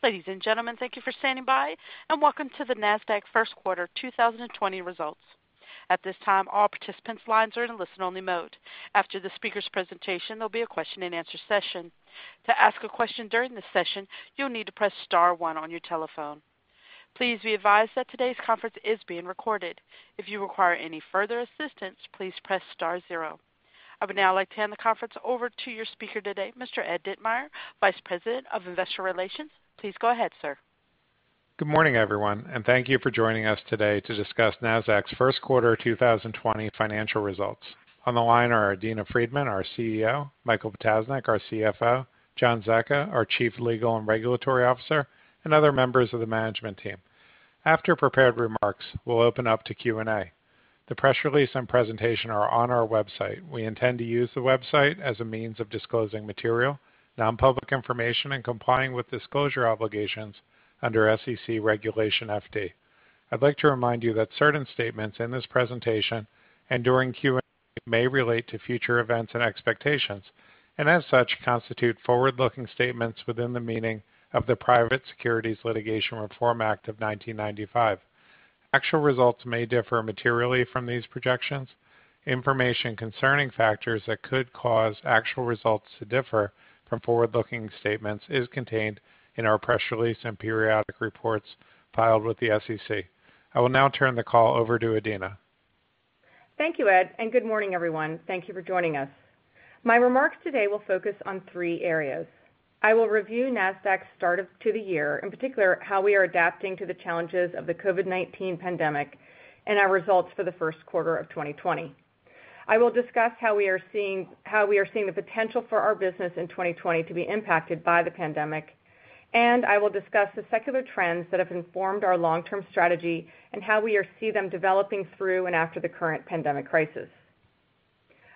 Ladies and gentlemen, thank you for standing by and welcome to the Nasdaq first quarter 2020 results. At this time, all participants' lines are in listen only-mode. After the speaker's presentation, there'll be a question-and-answer session. To ask a question during the session, you'll need to press star one on your telephone. Please be advised that today's conference is being recorded. If you require any further assistance, please press star zero. I would now like to hand the conference over to your speaker today, Mr. Ed Ditmire, Vice President of Investor Relations. Please go ahead, sir. Good morning, everyone, and thank you for joining us today to discuss Nasdaq's first quarter 2020 financial results. On the line are Adena Friedman, our CEO; Michael Ptasznik, our CFO; John Zecca, our Chief Legal and Regulatory Officer; and other members of the management team. After prepared remarks, we'll open up to Q&A. The press release and presentation are on our website. We intend to use the website as a means of disclosing material, non-public information, and complying with disclosure obligations under SEC Regulation FD. I'd like to remind you that certain statements in this presentation and during Q&A may relate to future events and expectations, and as such, constitute forward-looking statements within the meaning of the Private Securities Litigation Reform Act of 1995. Actual results may differ materially from these projections. Information concerning factors that could cause actual results to differ from forward-looking statements is contained in our press release and periodic reports filed with the SEC. I will now turn the call over to Adena. Thank you, Ed, and good morning, everyone. Thank you for joining us. My remarks today will focus on three areas. I will review Nasdaq's start to the year, in particular, how we are adapting to the challenges of the COVID-19 pandemic and our results for the first quarter of 2020. I will discuss how we are seeing the potential for our business in 2020 to be impacted by the pandemic, and I will discuss the secular trends that have informed our long-term strategy and how we see them developing through and after the current pandemic crisis.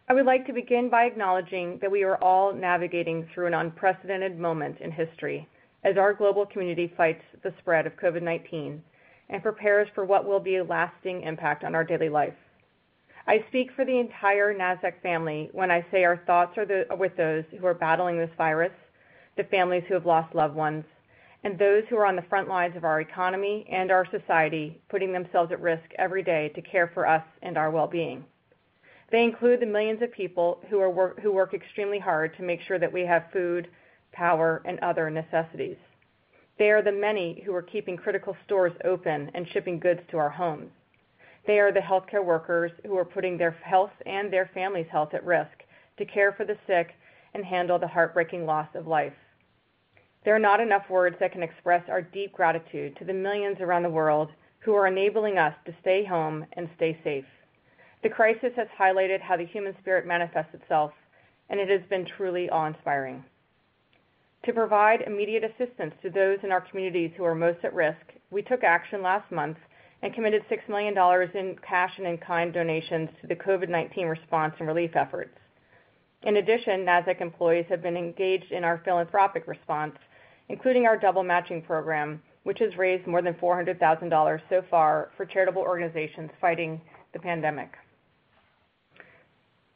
I would like to begin by acknowledging that we are all navigating through an unprecedented moment in history as our global community fights the spread of COVID-19 and prepares for what will be a lasting impact on our daily life. I speak for the entire Nasdaq family when I say our thoughts are with those who are battling this virus, the families who have lost loved ones, and those who are on the front lines of our economy and our society, putting themselves at risk every day to care for us and our well-being. They include the millions of people who work extremely hard to make sure that we have food, power, and other necessities. They are the many who are keeping critical stores open and shipping goods to our homes. They are the healthcare workers who are putting their health and their families' health at risk to care for the sick and handle the heartbreaking loss of life. There are not enough words that can express our deep gratitude to the millions around the world who are enabling us to stay home and stay safe. The crisis has highlighted how the human spirit manifests itself, and it has been truly awe-inspiring. To provide immediate assistance to those in our communities who are most at risk, we took action last month and committed $6 million in cash and in-kind donations to the COVID-19 response and relief efforts. In addition, Nasdaq employees have been engaged in our philanthropic response, including our double matching program, which has raised more than $400,000 so far for charitable organizations fighting the pandemic.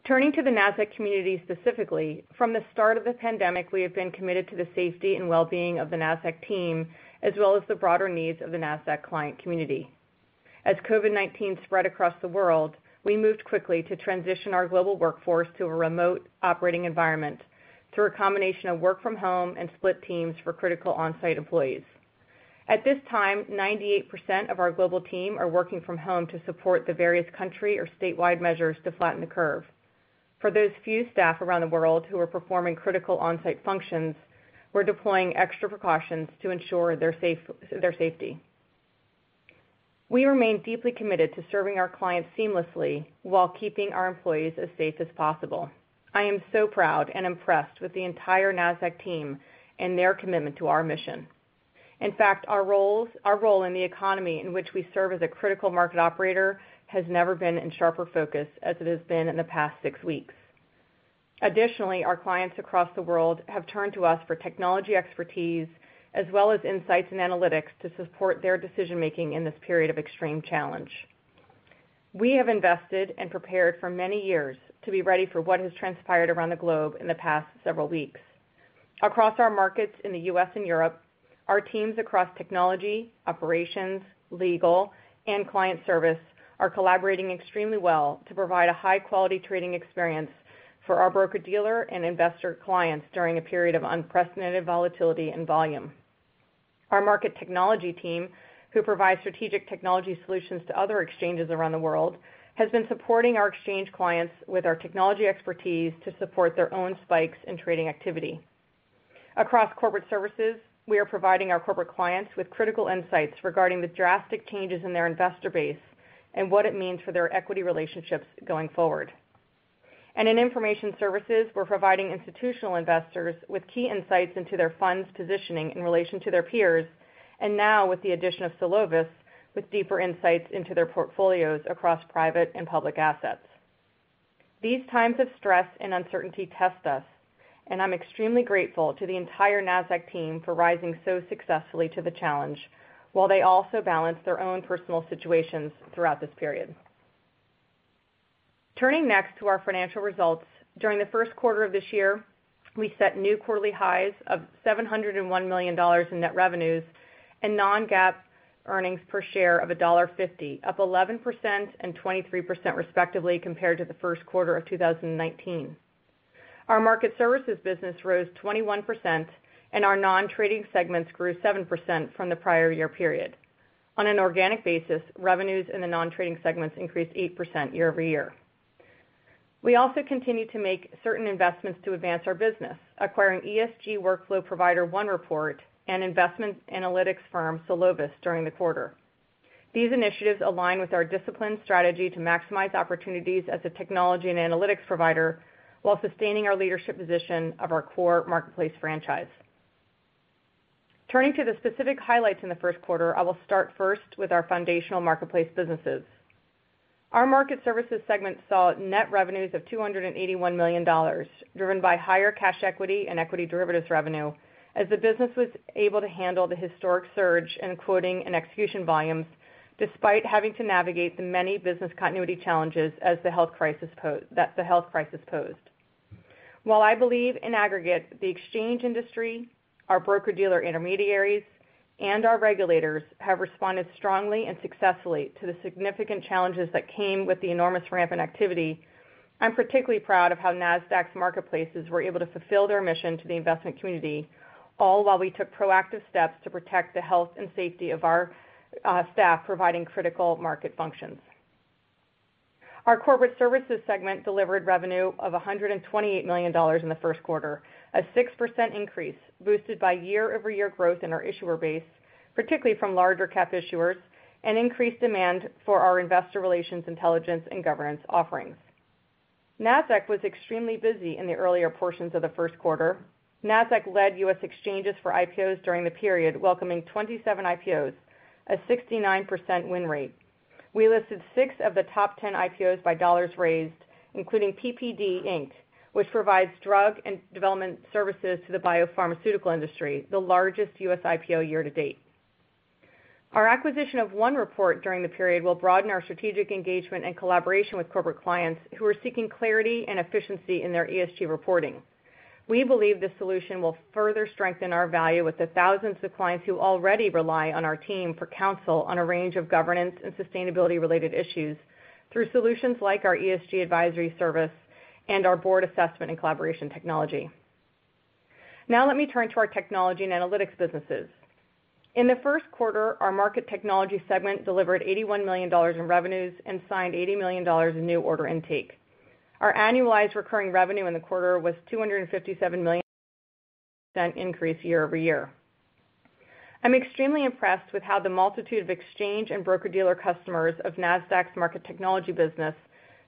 Turning to the Nasdaq community specifically, from the start of the pandemic, we have been committed to the safety and well-being of the Nasdaq team, as well as the broader needs of the Nasdaq client community. As COVID-19 spread across the world, we moved quickly to transition our global workforce to a remote operating environment through a combination of work from home and split teams for critical on-site employees. At this time, 98% of our global team are working from home to support the various country or statewide measures to flatten the curve. For those few staff around the world who are performing critical on-site functions, we're deploying extra precautions to ensure their safety. We remain deeply committed to serving our clients seamlessly while keeping our employees as safe as possible. I am so proud and impressed with the entire Nasdaq team and their commitment to our mission. In fact, our role in the economy in which we serve as a critical market operator has never been in sharper focus as it has been in the past six weeks. Additionally, our clients across the world have turned to us for technology expertise, as well as insights and analytics to support their decision-making in this period of extreme challenge. We have invested and prepared for many years to be ready for what has transpired around the globe in the past several weeks. Across our markets in the U.S. and Europe, our teams across technology, operations, legal, and client service are collaborating extremely well to provide a high-quality trading experience for our broker-dealer and investor clients during a period of unprecedented volatility and volume. Our Market Technology team, who provide strategic technology solutions to other exchanges around the world, has been supporting our exchange clients with our technology expertise to support their own spikes in trading activity. Across corporate services, we are providing our corporate clients with critical insights regarding the drastic changes in their investor base and what it means for their equity relationships going forward. In information services, we're providing institutional investors with key insights into their funds positioning in relation to their peers, and now with the addition of Solovis, with deeper insights into their portfolios across private and public assets. These times of stress and uncertainty test us, and I'm extremely grateful to the entire Nasdaq team for rising so successfully to the challenge while they also balance their own personal situations throughout this period. Turning next to our financial results. During the first quarter of this year, we set new quarterly highs of $701 million in net revenues and non-GAAP earnings per share of $1.50, up 11% and 23% respectively compared to the first quarter of 2019. Our market services business rose 21% and our non-trading segments grew 7% from the prior year period. On an organic basis, revenues in the non-trading segments increased 8% year-over-year. We also continue to make certain investments to advance our business, acquiring ESG workflow provider, OneReport, and investment analytics firm, Solovis, during the quarter. These initiatives align with our disciplined strategy to maximize opportunities as a technology and analytics provider while sustaining our leadership position of our core marketplace franchise. Turning to the specific highlights in the first quarter, I will start first with our foundational marketplace businesses. Our Market Services segment saw net revenues of $281 million, driven by higher cash equity and equity derivatives revenue, as the business was able to handle the historic surge in quoting and execution volumes, despite having to navigate the many business continuity challenges that the health crisis posed. While I believe in aggregate, the exchange industry, our broker-dealer intermediaries, and our regulators have responded strongly and successfully to the significant challenges that came with the enormous ramp in activity, I'm particularly proud of how Nasdaq's marketplaces were able to fulfill their mission to the investment community, all while we took proactive steps to protect the health and safety of our staff, providing critical market functions. Our Corporate Services segment delivered revenue of $128 million in the first quarter, a 6% increase boosted by year-over-year growth in our issuer base, particularly from larger cap issuers, and increased demand for our investor relations intelligence and governance offerings. Nasdaq was extremely busy in the earlier portions of the first quarter. Nasdaq led U.S. exchanges for IPOs during the period, welcoming 27 IPOs, a 69% win rate. We listed six of the top 10 IPOs by dollars raised, including PPD, Inc, which provides drug and development services to the biopharmaceutical industry, the largest U.S. IPO year to date. Our acquisition of OneReport during the period will broaden our strategic engagement and collaboration with corporate clients who are seeking clarity and efficiency in their ESG reporting. We believe this solution will further strengthen our value with the thousands of clients who already rely on our team for counsel on a range of governance and sustainability-related issues through solutions like our ESG advisory service and our board assessment and collaboration technology. Now let me turn to our technology and analytics businesses. In the first quarter, our Market Technology segment delivered $81 million in revenues and signed $80 million in new order intake. Our annualized recurring revenue in the quarter was $257 million, an increase year-over-year. I'm extremely impressed with how the multitude of exchange and broker-dealer customers of Nasdaq's Market Technology business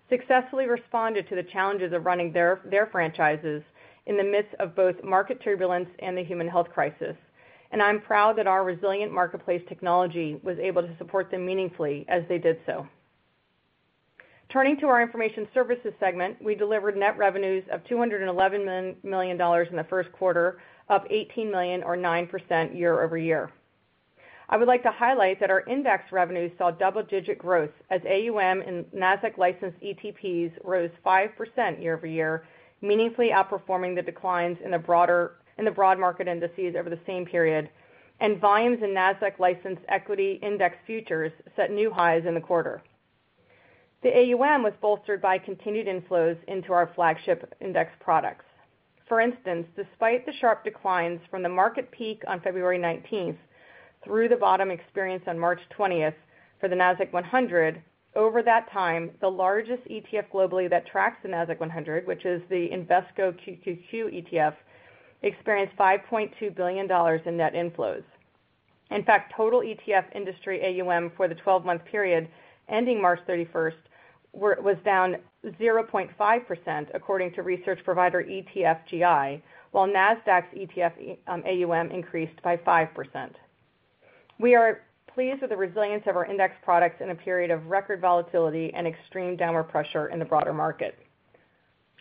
successfully responded to the challenges of running their franchises in the midst of both market turbulence and the human health crisis. I'm proud that our resilient marketplace technology was able to support them meaningfully as they did so. Turning to our Information Services segment, we delivered net revenues of $211 million in the first quarter, up $18 million or 9% year-over-year. I would like to highlight that our index revenues saw double-digit growth as AUM in Nasdaq-licensed ETPs rose 5% year-over-year, meaningfully outperforming the declines in the broad market indices over the same period, and volumes in Nasdaq-licensed equity index futures set new highs in the quarter. The AUM was bolstered by continued inflows into our flagship index products. For instance, despite the sharp declines from the market peak on February 19th through the bottom experience on March 20th for the Nasdaq-100, over that time, the largest ETF globally that tracks the Nasdaq-100, which is the Invesco QQQ ETF, experienced $5.2 billion in net inflows. Total ETF industry AUM for the 12-month period ending March 31st, was down 0.5%, according to research provider ETFGI, while Nasdaq's ETF AUM increased by 5%. We are pleased with the resilience of our index products in a period of record volatility and extreme downward pressure in the broader market.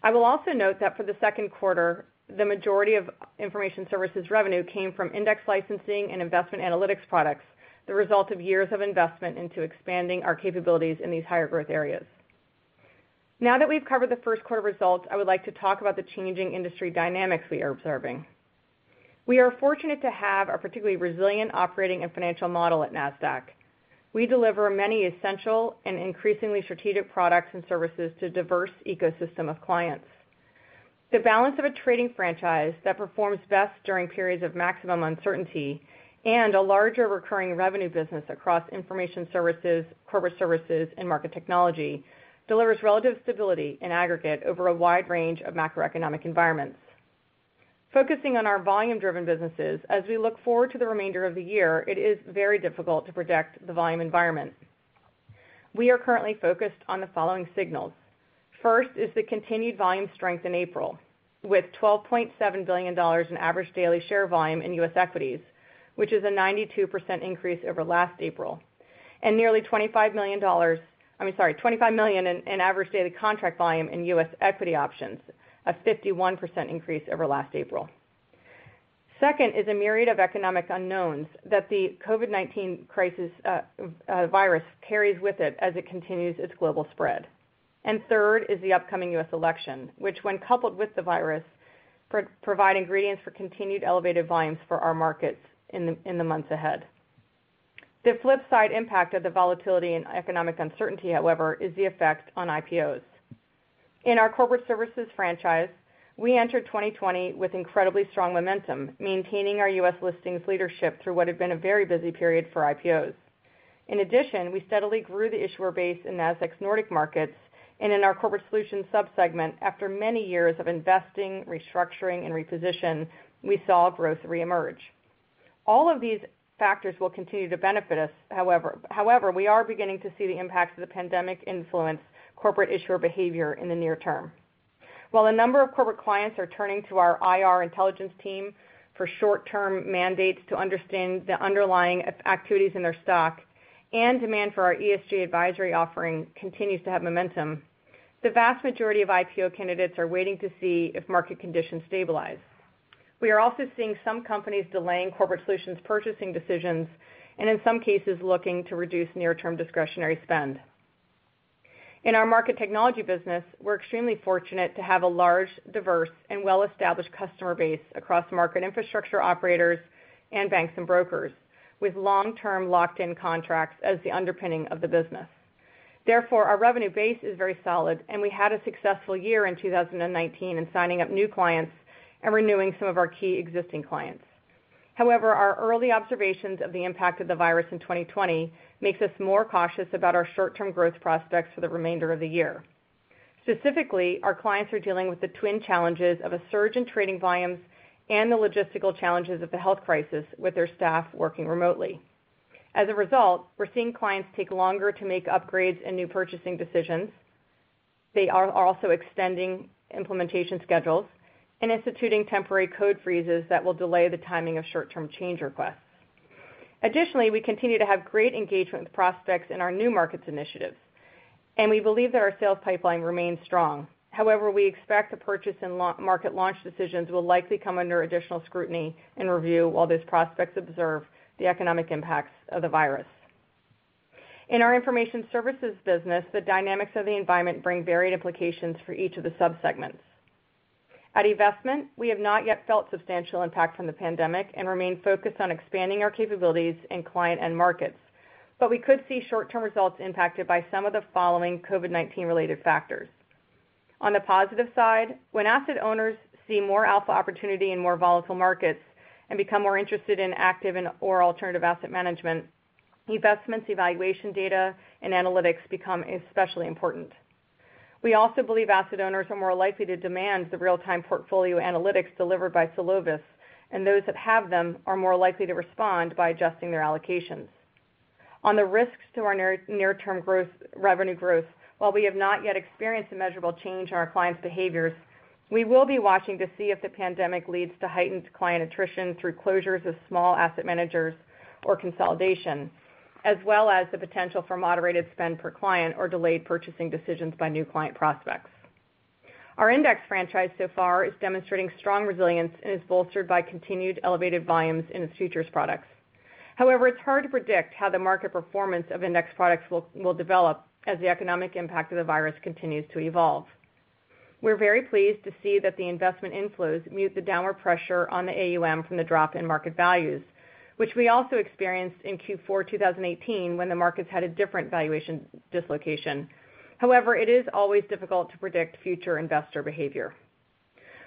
I will also note that for the second quarter, the majority of information services revenue came from index licensing and investment analytics products, the result of years of investment into expanding our capabilities in these higher growth areas. Now that we've covered the first quarter results, I would like to talk about the changing industry dynamics we are observing. We are fortunate to have a particularly resilient operating and financial model at Nasdaq. We deliver many essential and increasingly strategic products and services to a diverse ecosystem of clients. The balance of a trading franchise that performs best during periods of maximum uncertainty and a larger recurring revenue business across Information Services, Corporate Services, and Market Technology delivers relative stability in aggregate over a wide range of macroeconomic environments. Focusing on our volume-driven businesses, as we look forward to the remainder of the year, it is very difficult to project the volume environment. We are currently focused on the following signals. First is the continued volume strength in April, with $12.7 billion in average daily share volume in U.S. equities, which is a 92% increase over last April, and nearly $25 million, I'm sorry, 25 million in average daily contract volume in U.S. equity options, a 51% increase over last April. Second is a myriad of economic unknowns that the COVID-19 virus carries with it as it continues its global spread. Third is the upcoming U.S. election, which when coupled with the virus, provide ingredients for continued elevated volumes for our markets in the months ahead. The flip side impact of the volatility and economic uncertainty, however, is the effect on IPOs. In our corporate services franchise, we entered 2020 with incredibly strong momentum, maintaining our U.S. listings leadership through what had been a very busy period for IPOs. In addition, we steadily grew the issuer base in Nasdaq's Nordic markets and in our Corporate Solutions sub-segment, after many years of investing, restructuring, and reposition, we saw growth reemerge. All of these factors will continue to benefit us. However, we are beginning to see the impacts of the pandemic influence corporate issuer behavior in the near term. While a number of corporate clients are turning to our IR intelligence team for short-term mandates to understand the underlying activities in their stock, and demand for our ESG advisory offering continues to have momentum, the vast majority of IPO candidates are waiting to see if market conditions stabilize. We are also seeing some companies delaying Corporate Solutions purchasing decisions, and in some cases, looking to reduce near-term discretionary spend. In our Market Technology business, we're extremely fortunate to have a large, diverse, and well-established customer base across market infrastructure operators and banks and brokers, with long-term locked-in contracts as the underpinning of the business. Therefore, our revenue base is very solid, and we had a successful year in 2019 in signing up new clients and renewing some of our key existing clients. However, our early observations of the impact of the virus in 2020 makes us more cautious about our short-term growth prospects for the remainder of the year. Specifically, our clients are dealing with the twin challenges of a surge in trading volumes and the logistical challenges of the health crisis with their staff working remotely. As a result, we're seeing clients take longer to make upgrades and new purchasing decisions. They are also extending implementation schedules and instituting temporary code freezes that will delay the timing of short-term change requests. We continue to have great engagement with prospects in our new markets initiatives, and we believe that our sales pipeline remains strong. However, we expect the purchase and market launch decisions will likely come under additional scrutiny and review while those prospects observe the economic impacts of the virus. In our Information Services business, the dynamics of the environment bring varied implications for each of the sub-segments. At eVestment, we have not yet felt substantial impact from the pandemic and remain focused on expanding our capabilities in client end markets. We could see short-term results impacted by some of the following COVID-19 related factors. On the positive side, when asset owners see more alpha opportunity in more volatile markets and become more interested in active and/or alternative asset management, eVestment's evaluation data and analytics become especially important. We also believe asset owners are more likely to demand the real-time portfolio analytics delivered by Solovis and those that have them are more likely to respond by adjusting their allocations. On the risks to our near-term revenue growth, while we have not yet experienced a measurable change in our clients' behaviors, we will be watching to see if the pandemic leads to heightened client attrition through closures of small asset managers or consolidation, as well as the potential for moderated spend per client or delayed purchasing decisions by new client prospects. Our index franchise so far is demonstrating strong resilience and is bolstered by continued elevated volumes in its futures products. However, it's hard to predict how the market performance of index products will develop as the economic impact of the virus continues to evolve. We're very pleased to see that the investment inflows mute the downward pressure on the AUM from the drop in market values, which we also experienced in Q4 2018 when the markets had a different valuation dislocation. However, it is always difficult to predict future investor behavior.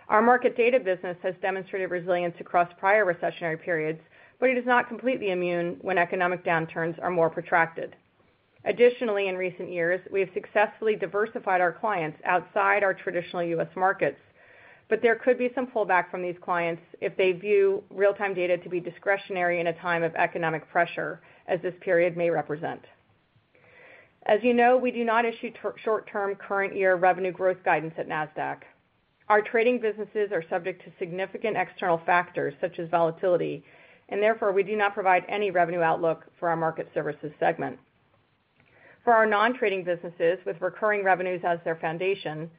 Our market data business has demonstrated resilience across prior recessionary periods, but it is not completely immune when economic downturns are more protracted. Additionally, in recent years, we have successfully diversified our clients outside our traditional U.S. markets, but there could be some pullback from these clients if they view real-time data to be discretionary in a time of economic pressure, as this period may represent. As you know, we do not issue short-term current year revenue growth guidance at Nasdaq. Our trading businesses are subject to significant external factors such as volatility, and therefore, we do not provide any revenue outlook for our Market Services segment. For our non-trading businesses with recurring revenues as their foundation,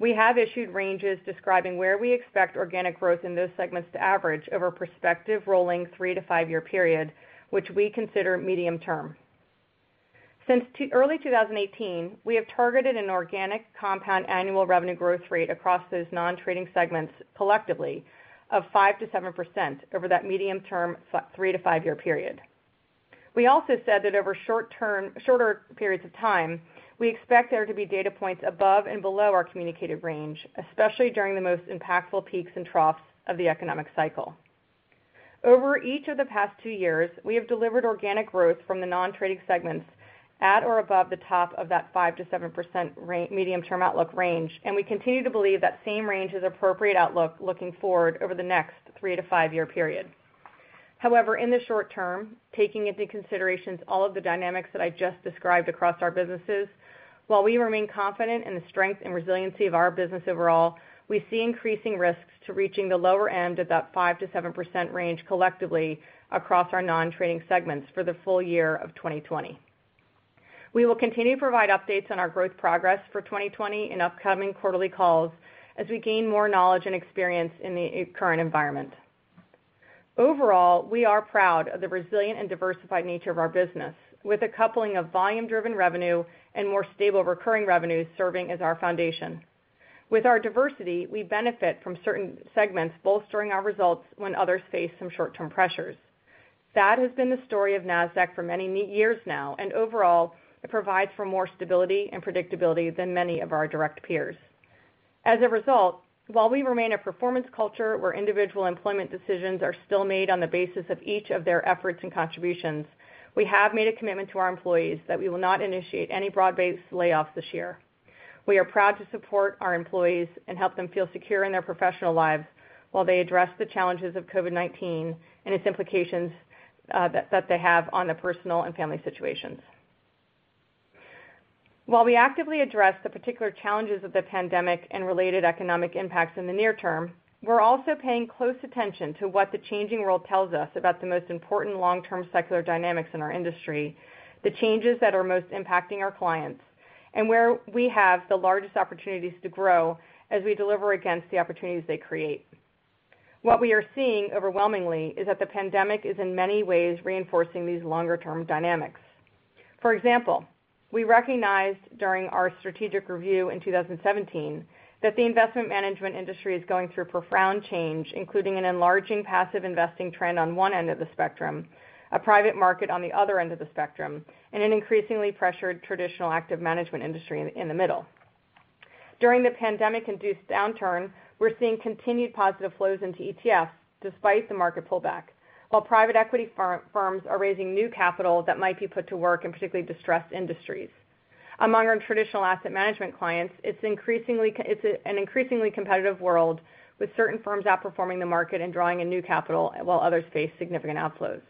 we have issued ranges describing where we expect organic growth in those segments to average over a prospective rolling three to five-year period, which we consider medium-term. Since early 2018, we have targeted an organic compound annual revenue growth rate across those non-trading segments collectively of 5%-7% over that medium-term three to five-year period. We also said that over shorter periods of time, we expect there to be data points above and below our communicated range, especially during the most impactful peaks and troughs of the economic cycle. Over each of the past two years, we have delivered organic growth from the non-trading segments at or above the top of that 5%-7% medium-term outlook range and we continue to believe that same range is appropriate outlook looking forward over the next three to five-year period. However, in the short-term, taking into considerations all of the dynamics that I just described across our businesses, while we remain confident in the strength and resiliency of our business overall, we see increasing risks to reaching the lower end of that 5%-7% range collectively across our non-trading segments for the full year of 2020. We will continue to provide updates on our growth progress for 2020 in upcoming quarterly calls as we gain more knowledge and experience in the current environment. Overall, we are proud of the resilient and diversified nature of our business, with a coupling of volume-driven revenue and more stable recurring revenues serving as our foundation. With our diversity, we benefit from certain segments bolstering our results when others face some short-term pressures. That has been the story of Nasdaq for many years now, and overall, it provides for more stability and predictability than many of our direct peers. As a result, while we remain a performance culture where individual employment decisions are still made on the basis of each of their efforts and contributions, we have made a commitment to our employees that we will not initiate any broad-based layoffs this year. We are proud to support our employees and help them feel secure in their professional lives while they address the challenges of COVID-19 and its implications, that they have on their personal and family situations. While we actively address the particular challenges of the pandemic and related economic impacts in the near term, we're also paying close attention to what the changing world tells us about the most important long-term secular dynamics in our industry, the changes that are most impacting our clients, and where we have the largest opportunities to grow as we deliver against the opportunities they create. What we are seeing overwhelmingly is that the pandemic is, in many ways, reinforcing these longer-term dynamics. For example, we recognized during our strategic review in 2017 that the investment management industry is going through profound change, including an enlarging passive investing trend on one end of the spectrum, a private market on the other end of the spectrum, and an increasingly pressured traditional active management industry in the middle. During the pandemic-induced downturn, we're seeing continued positive flows into ETFs despite the market pullback, while private equity firms are raising new capital that might be put to work in particularly distressed industries. Among our traditional asset management clients, it's an increasingly competitive world with certain firms outperforming the market and drawing in new capital while others face significant outflows.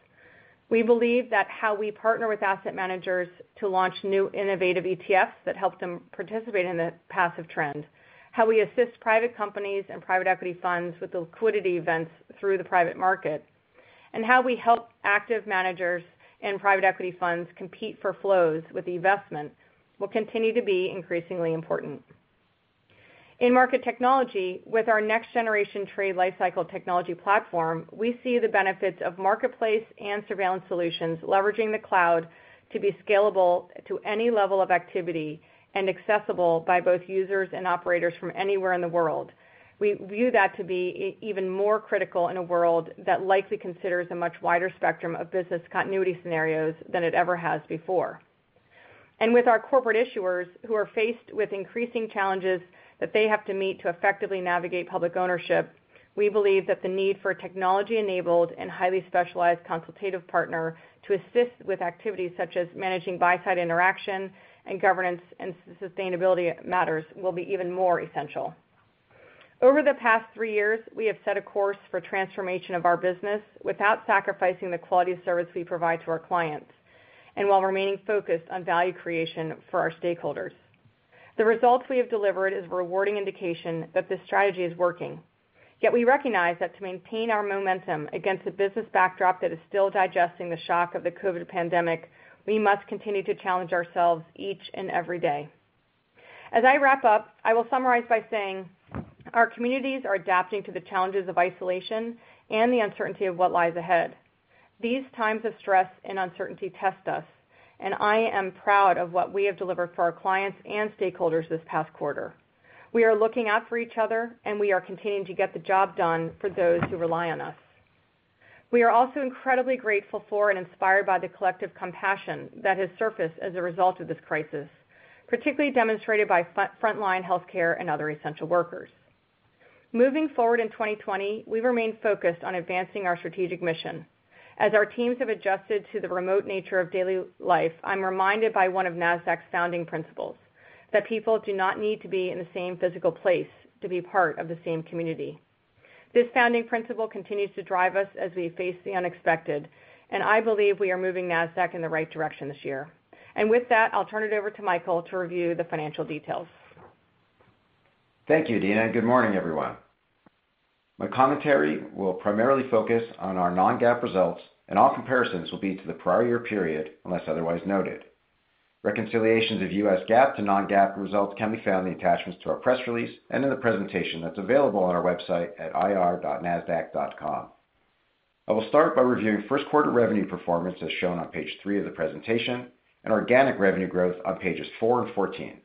We believe that how we partner with asset managers to launch new innovative ETFs that help them participate in the passive trend, how we assist private companies and private equity funds with liquidity events through the private market, and how we help active managers and private equity funds compete for flows with eVestment will continue to be increasingly important. In Market Technology, with our next-generation trade life cycle technology platform, we see the benefits of marketplace and surveillance solutions leveraging the cloud to be scalable to any level of activity and accessible by both users and operators from anywhere in the world. We view that to be even more critical in a world that likely considers a much wider spectrum of business continuity scenarios than it ever has before. With our corporate issuers, who are faced with increasing challenges that they have to meet to effectively navigate public ownership, we believe that the need for technology-enabled and highly specialized consultative partner to assist with activities such as managing buy-side interaction and governance and sustainability matters will be even more essential. Over the past three years, we have set a course for transformation of our business without sacrificing the quality of service we provide to our clients and while remaining focused on value creation for our stakeholders. The results we have delivered is a rewarding indication that this strategy is working. Yet we recognize that to maintain our momentum against a business backdrop that is still digesting the shock of the COVID pandemic, we must continue to challenge ourselves each and every day. As I wrap up, I will summarize by saying our communities are adapting to the challenges of isolation and the uncertainty of what lies ahead. These times of stress and uncertainty test us, and I am proud of what we have delivered for our clients and stakeholders this past quarter. We are looking out for each other, and we are continuing to get the job done for those who rely on us. We are also incredibly grateful for and inspired by the collective compassion that has surfaced as a result of this crisis, particularly demonstrated by frontline healthcare and other essential workers. Moving forward in 2020, we remain focused on advancing our strategic mission. As our teams have adjusted to the remote nature of daily life, I'm reminded by one of Nasdaq's founding principles: that people do not need to be in the same physical place to be part of the same community. This founding principle continues to drive us as we face the unexpected, and I believe we are moving Nasdaq in the right direction this year. With that, I'll turn it over to Michael to review the financial details. Thank you, Adena, and good morning, everyone. My commentary will primarily focus on our non-GAAP results, and all comparisons will be to the prior year period, unless otherwise noted. Reconciliations of U.S. GAAP to non-GAAP results can be found in the attachments to our press release and in the presentation that's available on our website at ir.nasdaq.com. I will start by reviewing first quarter revenue performance, as shown on page three of the presentation, and organic revenue growth on pages four and 14.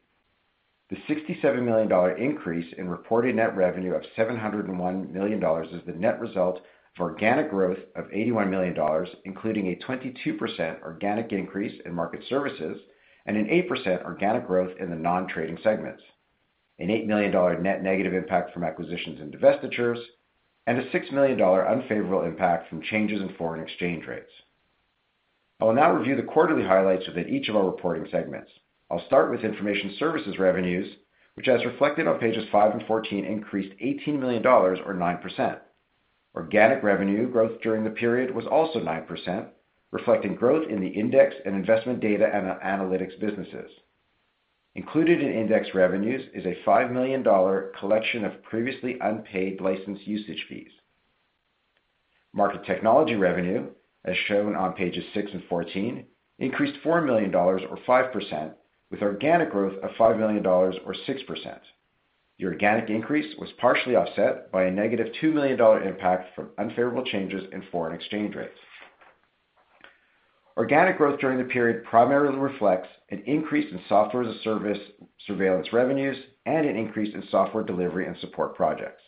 The $67 million increase in reported net revenue of $701 million is the net result of organic growth of $81 million, including a 22% organic increase in market services and an 8% organic growth in the non-trading segments, an $8 million net negative impact from acquisitions and divestitures, and a $6 million unfavorable impact from changes in foreign exchange rates. I will now review the quarterly highlights within each of our reporting segments. I'll start with information services revenues, which, as reflected on pages five and 14, increased $18 million, or 9%. Organic revenue growth during the period was also 9%, reflecting growth in the Index and Investment Data Analytics businesses. Included in index revenues is a $5 million collection of previously unpaid license usage fees. Market Technology revenue, as shown on pages six and 14, increased $4 million or 5%, with organic growth of $5 million or 6%. The organic increase was partially offset by a -$2 million impact from unfavorable changes in foreign exchange rates. Organic growth during the period primarily reflects an increase in software-as-a-service surveillance revenues and an increase in software delivery and support projects.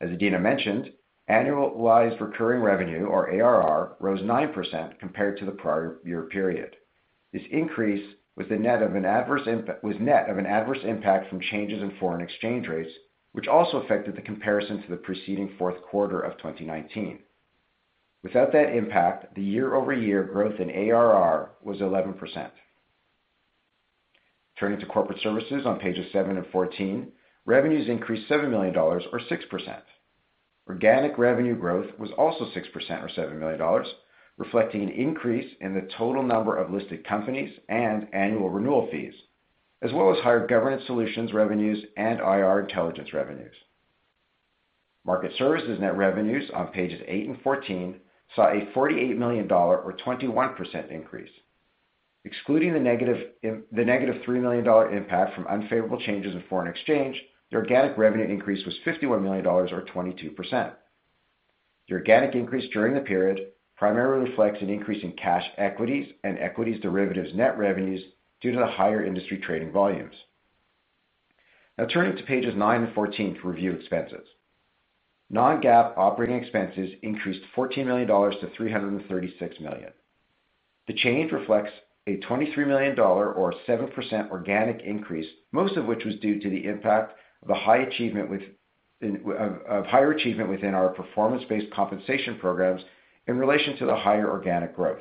As Adena mentioned, annualized recurring revenue, or ARR, rose 9% compared to the prior year period. This increase was net of an adverse impact from changes in foreign exchange rates, which also affected the comparison to the preceding fourth quarter of 2019. Without that impact, the year-over-year growth in ARR was 11%. Turning to Corporate Services on pages seven and 14, revenues increased $7 million or 6%. Organic revenue growth was also 6% or $7 million, reflecting an increase in the total number of listed companies and annual renewal fees, as well as higher governance solutions revenues and IR intelligence revenues. Market Services net revenues on pages eight and 14 saw a $48 million or 21% increase. Excluding the negative $3 million impact from unfavorable changes in foreign exchange, the organic revenue increase was $51 million or 22%. The organic increase during the period primarily reflects an increase in cash equities and equities derivatives net revenues due to the higher industry trading volumes. Now turning to pages nine and 14 to review expenses. Non-GAAP operating expenses increased $14 million to $336 million. The change reflects a $23 million or 7% organic increase, most of which was due to the impact of higher achievement within our performance-based compensation programs in relation to the higher organic growth.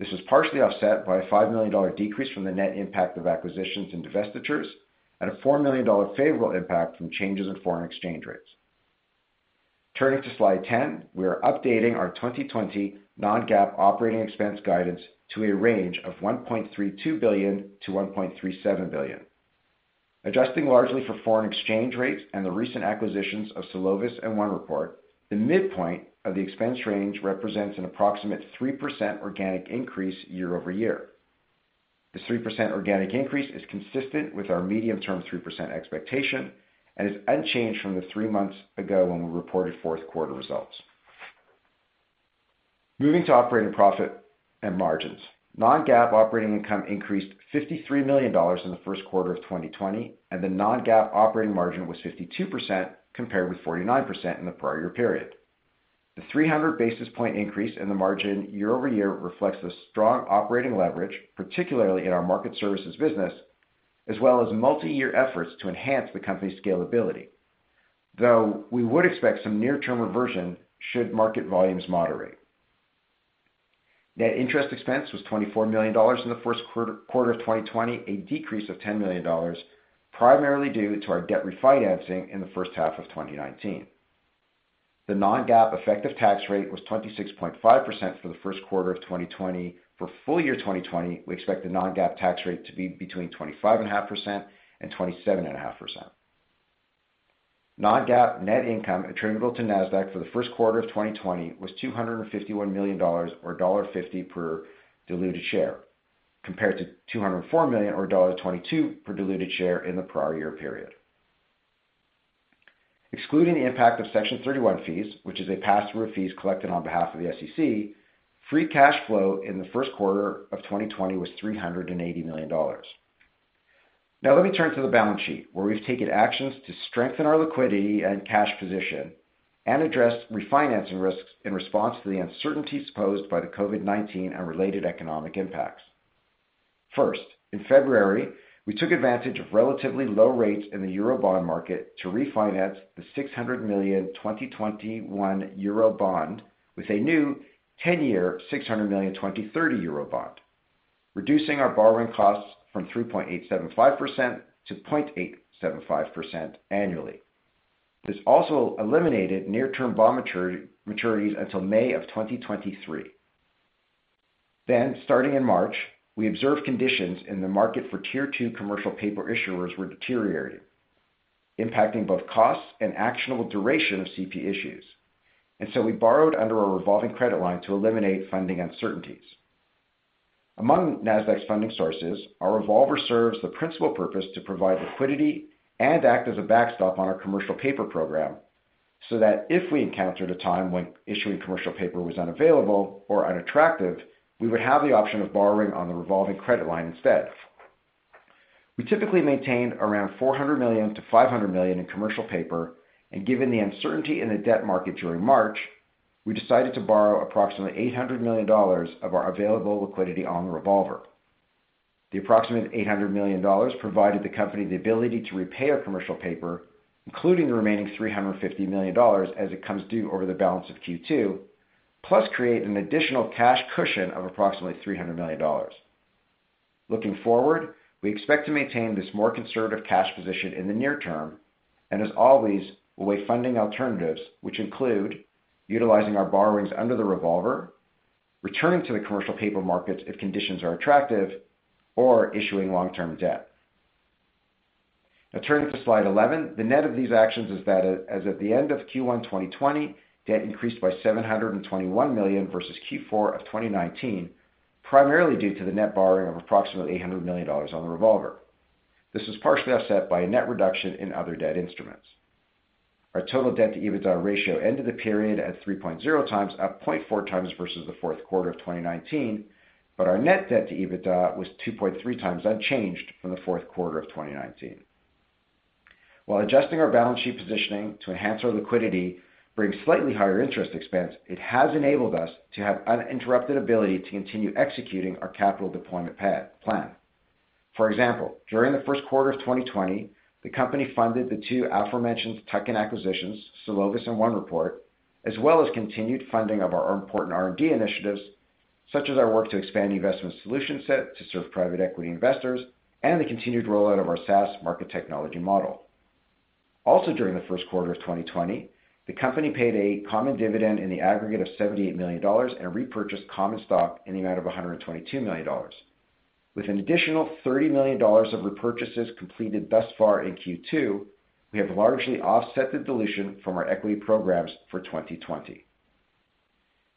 This was partially offset by a $5 million decrease from the net impact of acquisitions and divestitures and a $4 million favorable impact from changes in foreign exchange rates. Turning to slide 10, we are updating our 2020 non-GAAP operating expense guidance to a range of $1.32 billion-$1.37 billion. Adjusting largely for foreign exchange rates and the recent acquisitions of Solovis and OneReport, the midpoint of the expense range represents an approximate 3% organic increase year-over-year. This 3% organic increase is consistent with our medium-term 3% expectation and is unchanged from the three months ago when we reported fourth quarter results. Moving to operating profit and margins. Non-GAAP operating income increased $53 million in the first quarter of 2020, and the non-GAAP operating margin was 52%, compared with 49% in the prior year period. The 300 basis point increase in the margin year-over-year reflects the strong operating leverage, particularly in our market services business, as well as multi-year efforts to enhance the company's scalability. Though, we would expect some near-term reversion should market volumes moderate. Net interest expense was $24 million in the first quarter of 2020, a decrease of $10 million, primarily due to our debt refinancing in the first half of 2019. The non-GAAP effective tax rate was 26.5% for the first quarter of 2020. For full year 2020, we expect the non-GAAP tax rate to be between 25.5% and 27.5%. Non-GAAP net income attributable to Nasdaq for the first quarter of 2020 was $251 million, or $1.50 per diluted share, compared to $204 million or $1.22 per diluted share in the prior year period. Excluding the impact of Section 31 fees, which is a pass-through fees collected on behalf of the SEC, free cash flow in the first quarter of 2020 was $380 million. Now let me turn to the balance sheet, where we've taken actions to strengthen our liquidity and cash position and address refinancing risks in response to the uncertainties posed by the COVID-19 and related economic impacts. First, in February, we took advantage of relatively low rates in the euro bond market to refinance the $600 million 2021 euro bond with a new 10-year, $600 million 2030 euro bond, reducing our borrowing costs from 3.875% to 0.875% annually. This also eliminated near-term bond maturities until May of 2023. Starting in March, we observed conditions in the market for Tier 2 commercial paper issuers were deteriorating, impacting both costs and actionable duration of CP issues. We borrowed under a revolving credit line to eliminate funding uncertainties. Among Nasdaq's funding sources, our revolver serves the principal purpose to provide liquidity and act as a backstop on our commercial paper program, so that if we encountered a time when issuing commercial paper was unavailable or unattractive, we would have the option of borrowing on the revolving credit line instead. We typically maintain $400 million-$500 million in commercial paper. Given the uncertainty in the debt market during March, we decided to borrow approximately $800 million of our available liquidity on the revolver. The approximate $800 million provided the company the ability to repay our commercial paper including the remaining $350 million as it comes due over the balance of Q2, plus create an additional cash cushion of approximately $300 million. Looking forward, we expect to maintain this more conservative cash position in the near term and as always, weigh funding alternatives, which include utilizing our borrowings under the revolver, returning to the commercial paper markets if conditions are attractive, or issuing long-term debt. Now turning to slide 11. The net of these actions is that as of the end of Q1 2020, debt increased by $721 million versus Q4 of 2019, primarily due to the net borrowing of approximately $800 million on the revolver. This was partially offset by a net reduction in other debt instruments. Our total debt-to-EBITDA ratio ended the period at 3.0x, up 0.4x versus the fourth quarter of 2019, but our net debt to EBITDA was 2.3x unchanged from the fourth quarter of 2019. While adjusting our balance sheet positioning to enhance our liquidity brings slightly higher interest expense, it has enabled us to have uninterrupted ability to continue executing our capital deployment plan. For example, during the first quarter of 2020, the company funded the two aforementioned tuck-in acquisitions, Solovis and OneReport, as well as continued funding of our important R&D initiatives, such as our work to expand the investment solution set to serve private equity investors and the continued rollout of our SaaS Market Technology model. Also, during the first quarter of 2020, the company paid a common dividend in the aggregate of $78 million and repurchased common stock in the amount of $122 million. With an additional $30 million of repurchases completed thus far in Q2, we have largely offset the dilution from our equity programs for 2020.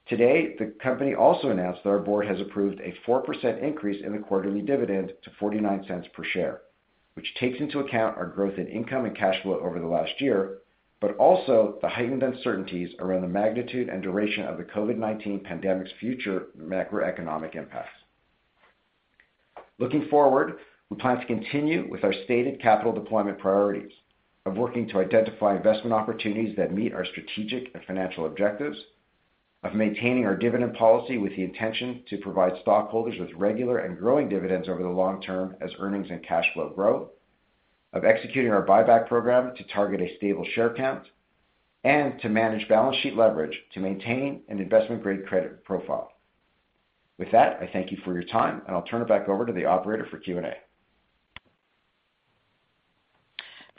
Today, the company also announced that our board has approved a 4% increase in the quarterly dividend to $0.49 per share, which takes into account our growth in income and cash flow over the last year, but also the heightened uncertainties around the magnitude and duration of the COVID-19 pandemic's future macroeconomic impacts. Looking forward, we plan to continue with our stated capital deployment priorities of working to identify investment opportunities that meet our strategic and financial objectives, of maintaining our dividend policy with the intention to provide stockholders with regular and growing dividends over the long term as earnings and cash flow grow, of executing our buyback program to target a stable share count, and to manage balance sheet leverage to maintain an investment-grade credit profile. With that, I thank you for your time, and I'll turn it back over to the operator for Q&A.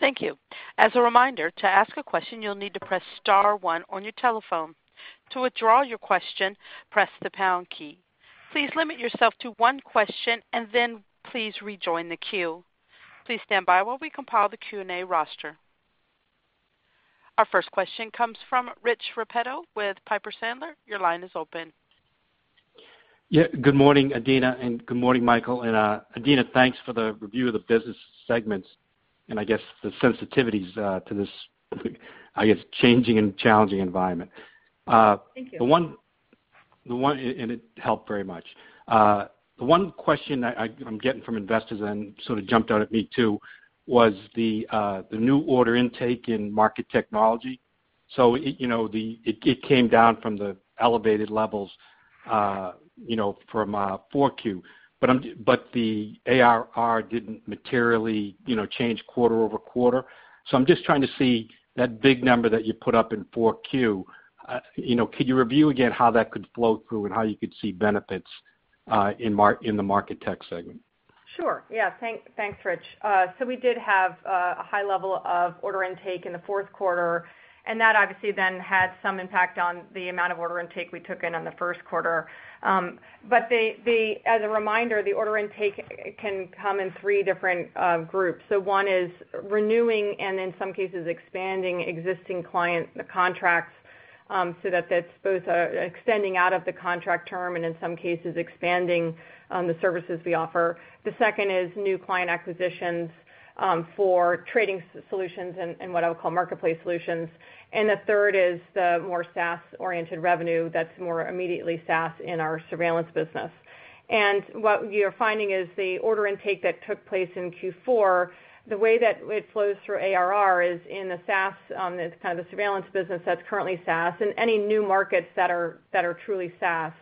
Thank you. As a reminder, to ask a question, you'll need to press star one on your telephone. To withdraw your question, press the pound key. Please limit yourself to one question, and then please rejoin the queue. Please stand by while we compile the Q&A roster. Our first question comes from Rich Repetto with Piper Sandler. Your line is open. Yeah. Good morning, Adena, and good morning, Michael. Adena, thanks for the review of the business segments and I guess the sensitivities to this, I guess, changing and challenging environment. Thank you. It helped very much. The one question I'm getting from investors and sort of jumped out at me, too, was the new order intake in Market Technology. It came down from the elevated levels from 4Q. The ARR didn't materially change quarter-over-quarter. I'm just trying to see that big number that you put up in 4Q. Could you review again how that could flow through and how you could see benefits in the Market Tech segment? Sure. Yeah. Thanks, Rich. We did have a high level of order intake in the fourth quarter, and that obviously then had some impact on the amount of order intake we took in on the first quarter. As a reminder, the order intake can come in three different groups. One is renewing and in some cases, expanding existing client contracts, so that's both extending out of the contract term and in some cases, expanding the services we offer. The second is new client acquisitions for trading solutions and what I would call marketplace solutions. The third is the more SaaS-oriented revenue that's more immediately SaaS in our surveillance business. What we are finding is the order intake that took place in Q4, the way that it flows through ARR is in the SaaS, it's kind of the surveillance business that's currently SaaS, and any new markets that are truly SaaS,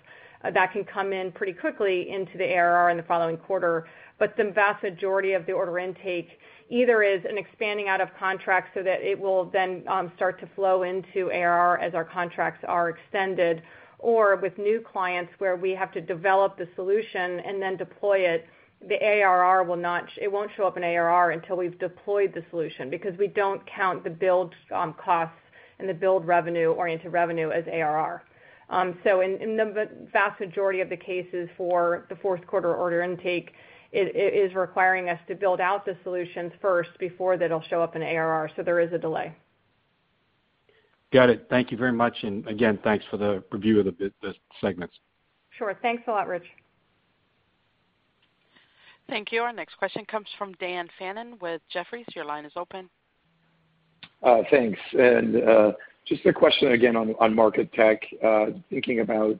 that can come in pretty quickly into the ARR in the following quarter. The vast majority of the order intake either is an expanding out of contracts so that it will then start to flow into ARR as our contracts are extended, or with new clients where we have to develop the solution and then deploy it. It won't show up in ARR until we've deployed the solution because we don't count the build costs and the build revenue-oriented revenue as ARR. In the vast majority of the cases for the fourth quarter order intake, it is requiring us to build out the solutions first before that'll show up in ARR, so there is a delay. Got it. Thank you very much. Again, thanks for the review of the segments. Sure. Thanks a lot, Rich. Thank you. Our next question comes from Dan Fannon with Jefferies. Your line is open. Thanks. Just a question again on Market Tech. Thinking about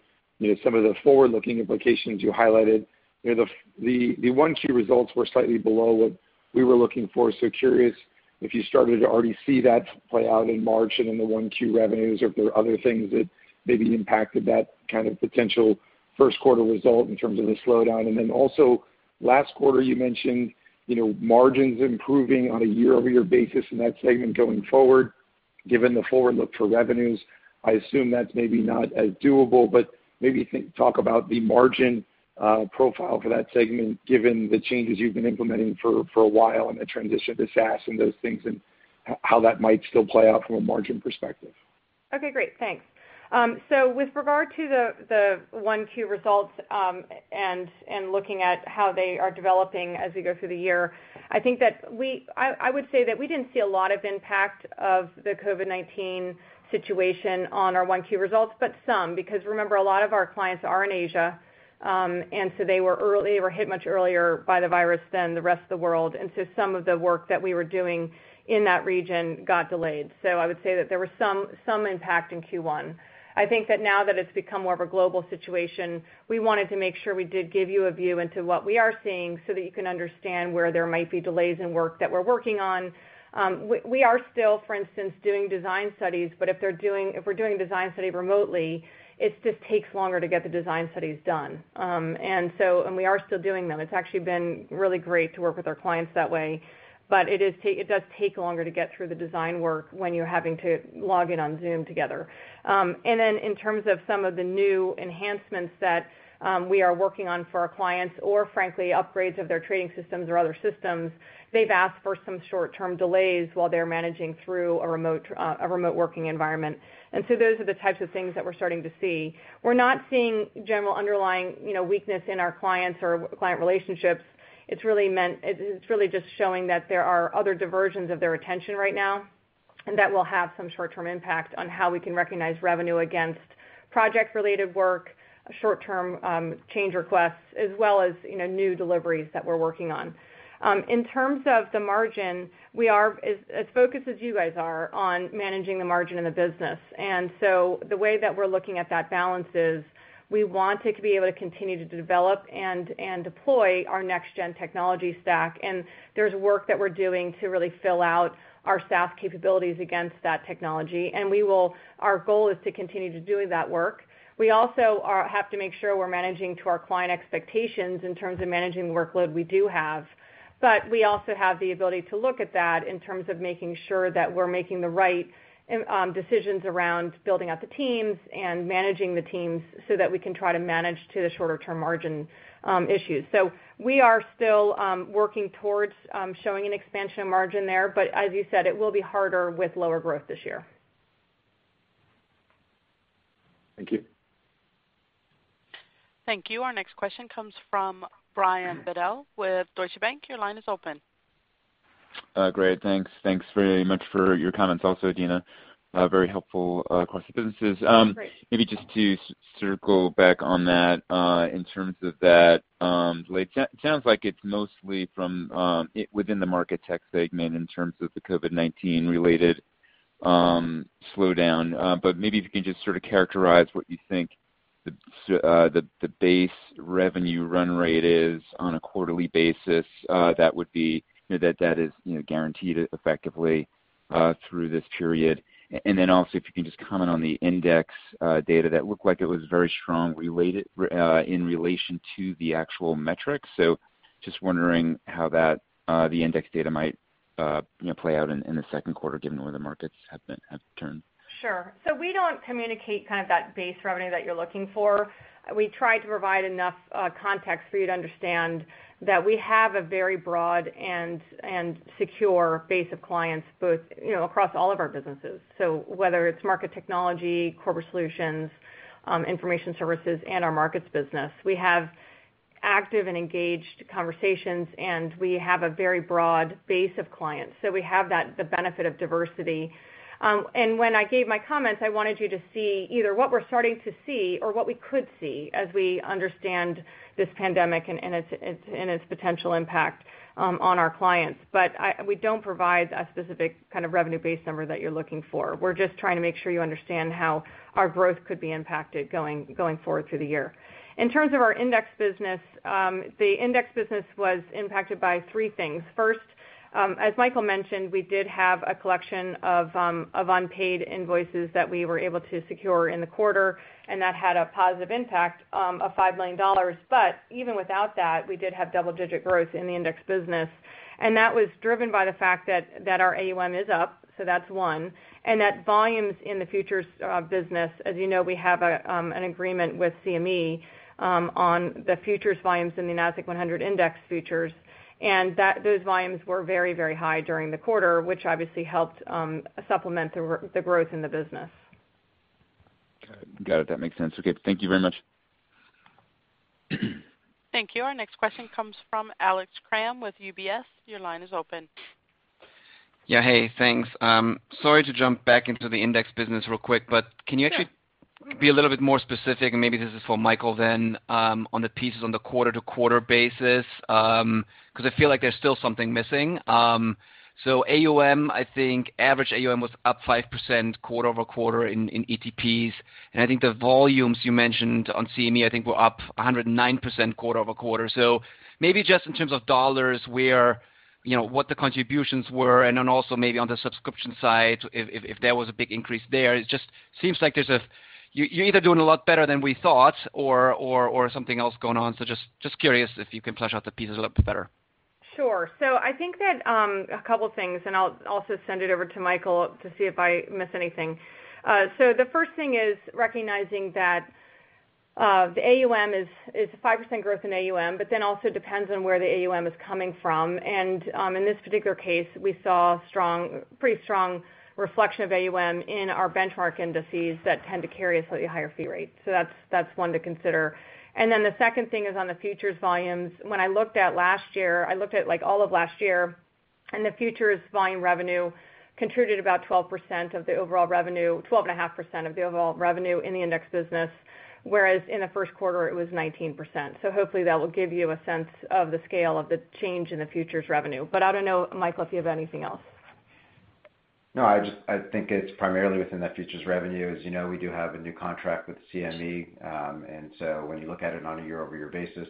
some of the forward-looking implications you highlighted. The 1Q results were slightly below what we were looking for. Curious if you started to already see that play out in March and in the 1Q revenues, or if there are other things that maybe impacted that kind of potential first quarter result in terms of the slowdown? Also last quarter, you mentioned margins improving on a year-over-year basis in that segment going forward. Given the forward look for revenues, I assume that's maybe not as doable, but maybe talk about the margin profile for that segment, given the changes you've been implementing for a while and the transition to SaaS and those things, and how that might still play out from a margin perspective. Okay, great. Thanks. With regard to the 1Q results, and looking at how they are developing as we go through the year, I would say that we didn't see a lot of impact of the COVID-19 situation on our 1Q results, but some, because remember, a lot of our clients are in Asia. They were hit much earlier by the virus than the rest of the world. Some of the work that we were doing in that region got delayed. I would say that there was some impact in Q1. I think that now that it's become more of a global situation, we wanted to make sure we did give you a view into what we are seeing so that you can understand where there might be delays in work that we're working on. We are still, for instance, doing design studies, but if we're doing a design study remotely, it just takes longer to get the design studies done. We are still doing them. It's actually been really great to work with our clients that way, but it does take longer to get through the design work when you're having to log in on Zoom together. Then in terms of some of the new enhancements that we are working on for our clients, or frankly, upgrades of their trading systems or other systems, they've asked for some short-term delays while they're managing through a remote working environment. So those are the types of things that we're starting to see. We're not seeing general underlying weakness in our clients or client relationships. It's really just showing that there are other diversions of their attention right now, and that will have some short-term impact on how we can recognize revenue against project-related work, short-term change requests, as well as new deliveries that we're working on. In terms of the margin, we are as focused as you guys are on managing the margin in the business. The way that we're looking at that balance is we want to be able to continue to develop and deploy our next-gen technology stack. There's work that we're doing to really fill out our SaaS capabilities against that technology. Our goal is to continue to doing that work. We also have to make sure we're managing to our client expectations in terms of managing the workload we do have. We also have the ability to look at that in terms of making sure that we're making the right decisions around building out the teams and managing the teams so that we can try to manage to the shorter-term margin issues. We are still working towards showing an expansion of margin there, but as you said, it will be harder with lower growth this year. Thank you. Thank you. Our next question comes from Brian Bedell with Deutsche Bank. Your line is open. Great, thanks. Thanks very much for your comments also, Adena. Very helpful across the businesses. Great. Maybe just to circle back on that, in terms of that delay, it sounds like it's mostly from within the Market Tech segment in terms of the COVID-19-related slowdown. Maybe if you can just sort of characterize what you think the base revenue run rate is on a quarterly basis that is guaranteed effectively through this period. Also, if you can just comment on the index data. That looked like it was very strong in relation to the actual metrics. Just wondering how the index data might play out in the second quarter, given where the markets have turned. Sure. We don't communicate that base revenue that you're looking for. We try to provide enough context for you to understand that we have a very broad and secure base of clients across all of our businesses. Whether it's Market Technology, Corporate Solutions, Information Services, and our Markets business, we have active and engaged conversations, and we have a very broad base of clients. We have the benefit of diversity. When I gave my comments, I wanted you to see either what we're starting to see or what we could see as we understand this pandemic and its potential impact on our clients. We don't provide a specific kind of revenue base number that you're looking for. We're just trying to make sure you understand how our growth could be impacted going forward through the year. In terms of our index business, the index business was impacted by three things. As Michael mentioned, we did have a collection of unpaid invoices that we were able to secure in the quarter, and that had a positive impact of $5 million. Even without that, we did have double-digit growth in the index business. That was driven by the fact that our AUM is up, so that's one, and that volumes in the futures business, as you know, we have an agreement with CME on the futures volumes in the Nasdaq-100 index futures, and those volumes were very, very high during the quarter, which obviously helped supplement the growth in the business. Got it. That makes sense. Okay, thank you very much. Thank you. Our next question comes from Alex Kramm with UBS. Your line is open. Yeah. Hey, thanks. Sorry to jump back into the index business real quick, can you actually- Yeah. ...be a little bit more specific, and maybe this is for Michael then, on the pieces on the quarter-to-quarter basis, because I feel like there's still something missing. AUM, I think average AUM was up 5% quarter-over-quarter in ETPs, and I think the volumes you mentioned on CME I think were up 109% quarter-over-quarter. Maybe just in terms of dollars, what the contributions were, and then also maybe on the subscription side, if there was a big increase there. It just seems like you're either doing a lot better than we thought or something else going on. just curious if you can flesh out the pieces a little bit better. Sure. I think that a couple things, and I'll also send it over to Michael to see if I miss anything. The first thing is recognizing that the AUM is a 5% growth in AUM, also depends on where the AUM is coming from. In this particular case, we saw a pretty strong reflection of AUM in our benchmark indices that tend to carry a slightly higher fee rate. That's one to consider. The second thing is on the futures volumes. When I looked at last year, I looked at all of last year, the futures volume revenue contributed about 12.5% of the overall revenue in the index business, whereas in the first quarter it was 19%. Hopefully that will give you a sense of the scale of the change in the futures revenue. I don't know, Michael, if you have anything else. No, I think it's primarily within that futures revenue. As you know, we do have a new contract with the CME. When you look at it on a year-over-year basis,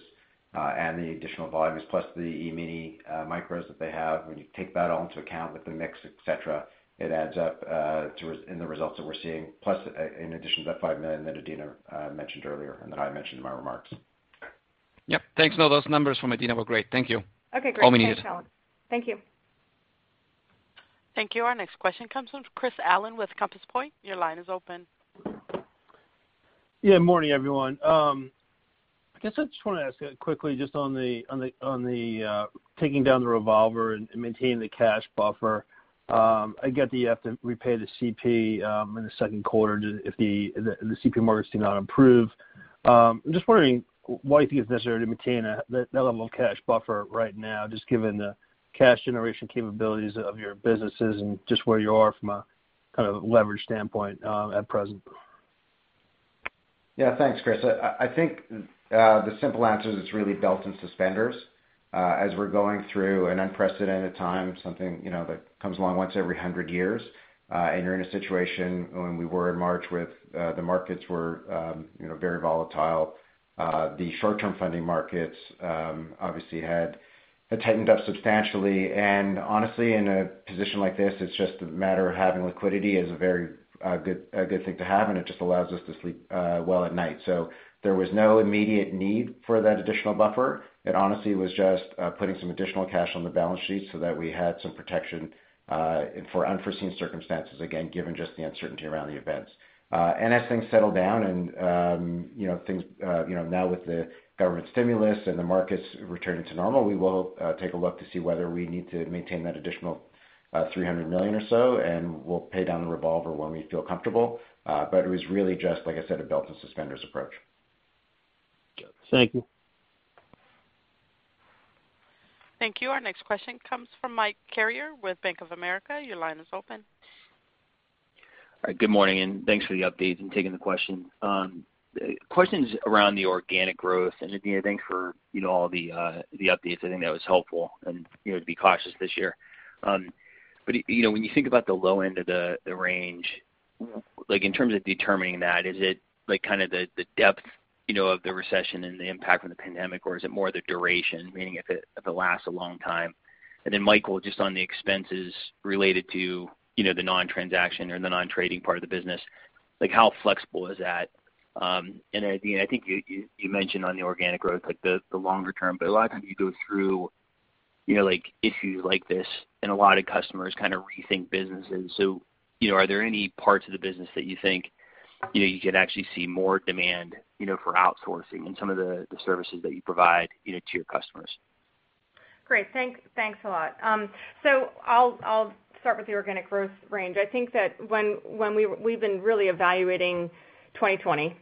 and the additional volumes plus the E-mini micros that they have, when you take that all into account with the mix, et cetera, it adds up in the results that we're seeing. Plus, in addition to that $5 million that Adena mentioned earlier and that I mentioned in my remarks. Yep. Thanks. No, those numbers from Adena were great. Thank you. Okay, great. All we need. Thanks, Alex. Thank you. Thank you. Our next question comes from Chris Allen with Compass Point. Your line is open. Yeah, morning, everyone. I guess I just want to ask quickly just on the taking down the revolver and maintaining the cash buffer. I get that you have to repay the CP in the second quarter if the CP markets do not improve. I'm just wondering why you think it's necessary to maintain that level of cash buffer right now, just given the cash generation capabilities of your businesses and just where you are from a leverage standpoint at present. Thanks, Chris. I think the simple answer is it's really belt and suspenders. As we're going through an unprecedented time, something that comes along once every 100 years, and you're in a situation when we were in March with the markets were very volatile. The short-term funding markets obviously had tightened up substantially, and honestly, in a position like this, it's just a matter of having liquidity is a very good thing to have, and it just allows us to sleep well at night. There was no immediate need for that additional buffer. It honestly was just putting some additional cash on the balance sheet so that we had some protection for unforeseen circumstances, again, given just the uncertainty around the events. As things settle down and now with the government stimulus and the markets returning to normal, we will take a look to see whether we need to maintain that additional $300 million or so, and we'll pay down the revolver when we feel comfortable. It was really just, like I said, a belt and suspenders approach. Thank you. Thank you. Our next question comes from Mike Carrier with Bank of America. Your line is open. Good morning, thanks for the updates and taking the question. Questions around the organic growth. Adena, thanks for all the updates. I think that was helpful, and to be cautious this year. When you think about the low end of the range, in terms of determining that, is it the depth of the recession and the impact from the pandemic, or is it more the duration, meaning if it lasts a long time? Michael, just on the expenses related to the non-transaction or the non-trading part of the business, how flexible is that? Adena, I think you mentioned on the organic growth, the longer term, but a lot of times you go through issues like this, and a lot of customers rethink businesses. Are there any parts of the business that you think you could actually see more demand for outsourcing in some of the services that you provide to your customers? Great. Thanks a lot. I'll start with the organic growth range. I think that we've been really evaluating 2020.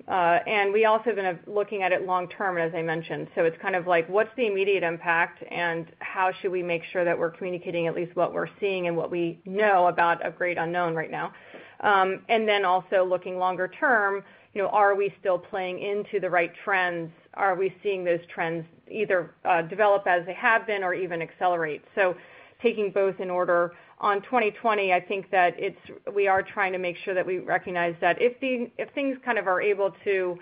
We also have been looking at it long-term, as I mentioned. It's kind of like, what's the immediate impact, and how should we make sure that we're communicating at least what we're seeing and what we know about a great unknown right now? Also looking longer term, are we still playing into the right trends? Are we seeing those trends either develop as they have been or even accelerate? Taking both in order, on 2020, I think that we are trying to make sure that we recognize that if things are able to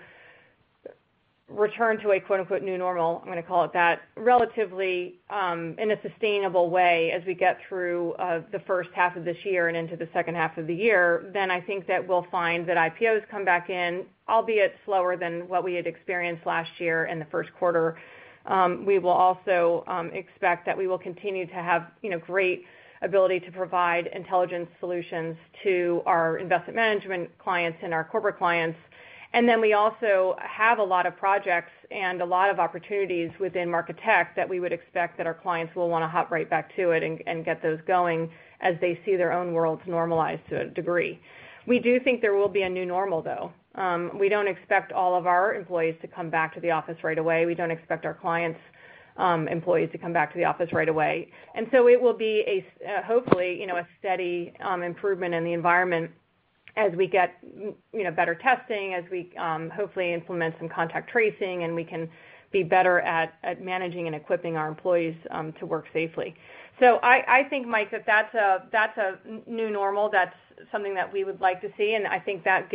return to a "new normal", I'm going to call it that, relatively in a sustainable way as we get through the first half of this year and into the second half of the year, then I think that we'll find that IPOs come back in, albeit slower than what we had experienced last year in the first quarter. We will also expect that we will continue to have great ability to provide intelligent solutions to our investment management clients and our corporate clients. We also have a lot of projects and a lot of opportunities within Market Tech that we would expect that our clients will want to hop right back to it and get those going as they see their own worlds normalize to a degree. We do think there will be a new normal, though. We don't expect all of our employees to come back to the office right away. We don't expect our clients' employees to come back to the office right away. It will be hopefully a steady improvement in the environment as we get better testing, as we hopefully implement some contact tracing, and we can be better at managing and equipping our employees to work safely. I think, Mike, that's a new normal. That's something that we would like to see, and I think that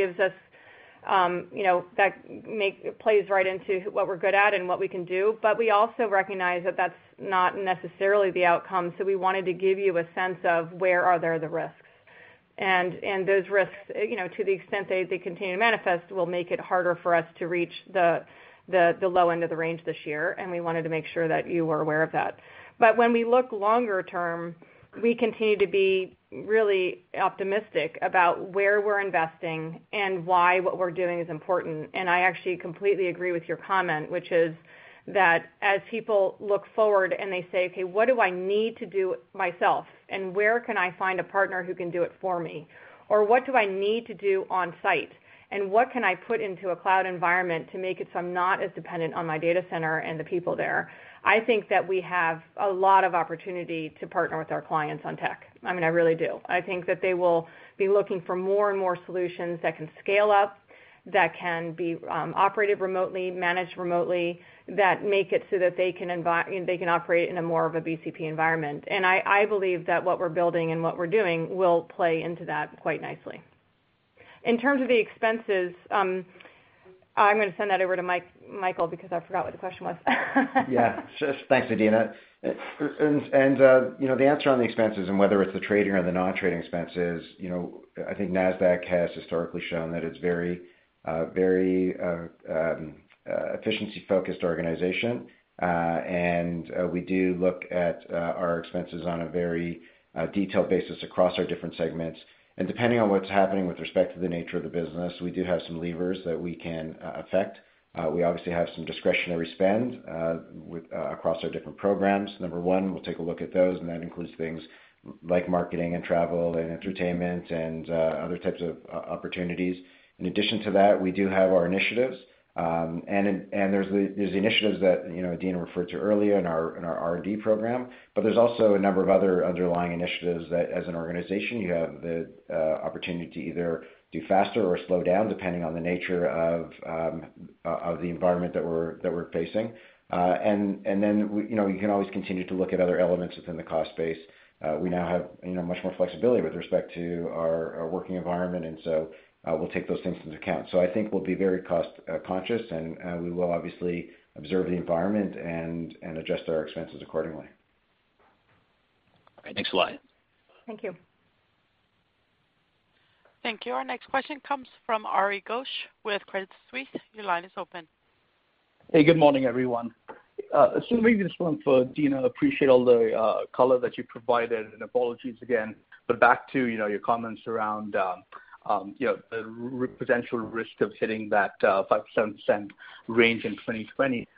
plays right into what we're good at and what we can do. We also recognize that that's not necessarily the outcome, so we wanted to give you a sense of where are there the risks. Those risks, to the extent they continue to manifest, will make it harder for us to reach the low end of the range this year, and we wanted to make sure that you were aware of that. When we look longer term, we continue to be really optimistic about where we're investing and why what we're doing is important. I actually completely agree with your comment, which is that as people look forward and they say, "Okay, what do I need to do myself, and where can I find a partner who can do it for me?" Or, "What do I need to do on site, and what can I put into a cloud environment to make it so I'm not as dependent on my data center and the people there?" I think that we have a lot of opportunity to partner with our clients on tech. I really do. I think that they will be looking for more and more solutions that can scale up, that can be operated remotely, managed remotely, that make it so that they can operate in a more of a BCP environment. I believe that what we're building and what we're doing will play into that quite nicely. In terms of the expenses, I'm going to send that over to Michael because I forgot what the question was. Yeah. Thanks, Adena. The answer on the expenses and whether it's the trading or the non-trading expenses, I think Nasdaq has historically shown that it's very efficiency-focused organization. We do look at our expenses on a very detailed basis across our different segments. Depending on what's happening with respect to the nature of the business, we do have some levers that we can affect. We obviously have some discretionary spend across our different programs. Number one, we'll take a look at those, and that includes things like marketing and travel and entertainment and other types of opportunities. In addition to that, we do have our initiatives. There's the initiatives that Adena referred to earlier in our R&D program. There's also a number of other underlying initiatives that as an organization, you have the opportunity to either do faster or slow down, depending on the nature of the environment that we're facing. Then you can always continue to look at other elements within the cost base. We now have much more flexibility with respect to our working environment, and so we'll take those things into account. I think we'll be very cost conscious, and we will obviously observe the environment and adjust our expenses accordingly. All right. Thanks a lot. Thank you. Thank you. Our next question comes from Ari Ghosh with Credit Suisse. Your line is open. Good morning, everyone. Maybe this one for Adena. Appreciate all the color that you provided, and apologies again. Back to your comments around the potential risk of hitting that 5%-7% range in 2020.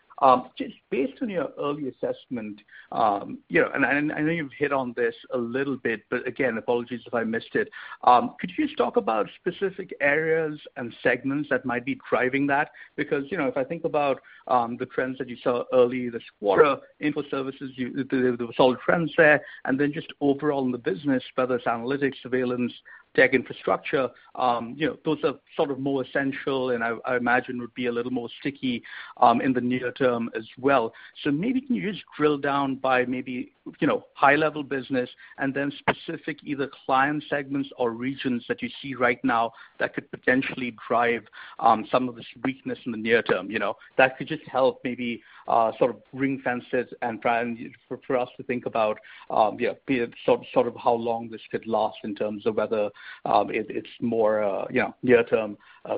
Just based on your early assessment, and I know you've hit on this a little bit, but again, apologies if I missed it. Could you just talk about specific areas and segments that might be driving that? If I think about the trends that you saw early this quarter, info services, the solid trends there, and then just overall in the business, whether it's analytics, surveillance, tech infrastructure, those are sort of more essential and I imagine would be a little more sticky in the near term as well. Maybe can you just drill down by maybe high-level business and then specific either client segments or regions that you see right now that could potentially drive some of this weakness in the near term. That could just help maybe sort of ring-fence it and try and for us to think about sort of how long this could last in terms of whether it's more a near-term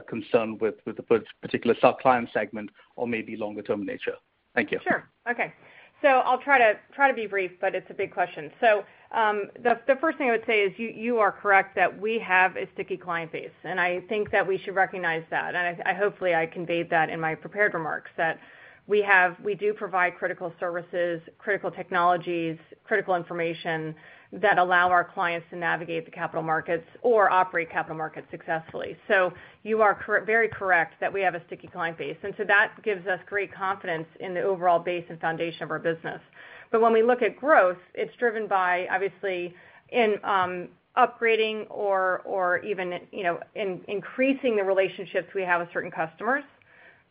concern with the particular client segment or maybe longer-term nature. Thank you. Sure. Okay. I'll try to be brief, but it's a big question. The first thing I would say is you are correct that we have a sticky client base, and I think that we should recognize that. Hopefully I conveyed that in my prepared remarks that we do provide critical services, critical technologies, critical information that allow our clients to navigate the capital markets or operate capital markets successfully. You are very correct that we have a sticky client base, and so that gives us great confidence in the overall base and foundation of our business. When we look at growth, it's driven by obviously in upgrading or even increasing the relationships we have with certain customers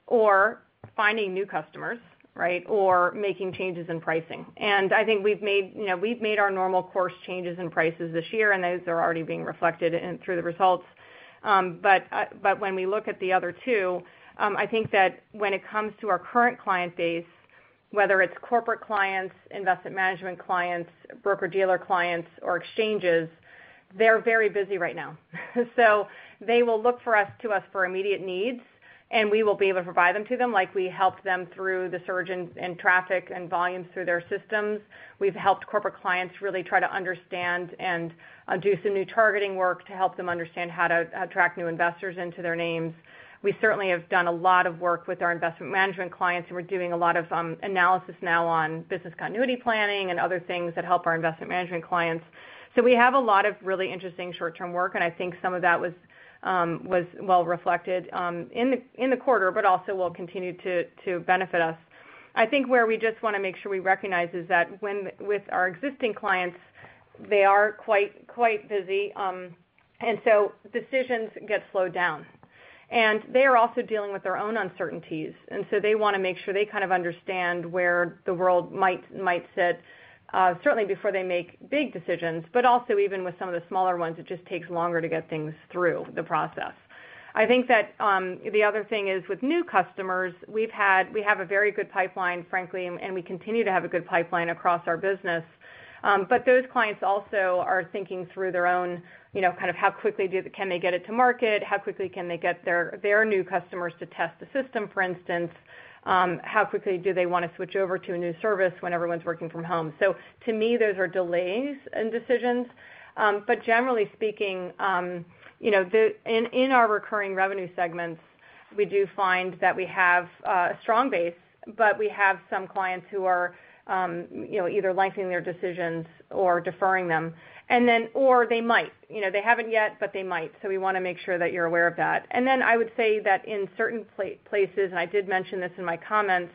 or finding new customers, or making changes in pricing. I think we've made our normal course changes in prices this year, and those are already being reflected through the results. When we look at the other two, I think that when it comes to our current client base, whether it's corporate clients, investment management clients, broker-dealer clients, or exchanges, they're very busy right now. They will look to us for immediate needs, and we will be able to provide them to them like we helped them through the surge in traffic and volumes through their systems. We've helped corporate clients really try to understand and do some new targeting work to help them understand how to attract new investors into their names. We certainly have done a lot of work with our investment management clients, and we're doing a lot of analysis now on business continuity planning and other things that help our investment management clients. We have a lot of really interesting short-term work, and I think some of that was well reflected in the quarter, but also will continue to benefit us. I think where we just want to make sure we recognize is that with our existing clients, they are quite busy, and so decisions get slowed down. They are also dealing with their own uncertainties, and so they want to make sure they kind of understand where the world might sit, certainly before they make big decisions, but also even with some of the smaller ones, it just takes longer to get things through the process. I think that the other thing is with new customers, we have a very good pipeline, frankly, and we continue to have a good pipeline across our business. Those clients also are thinking through their own, kind of how quickly can they get it to market? How quickly can they get their new customers to test the system, for instance? How quickly do they want to switch over to a new service when everyone's working from home? To me, those are delays in decisions. Generally speaking, in our recurring revenue segments, we do find that we have a strong base, but we have some clients who are either lengthening their decisions or deferring them. Or they might. They haven't yet, but they might. We want to make sure that you're aware of that. I would say that in certain places, and I did mention this in my comments,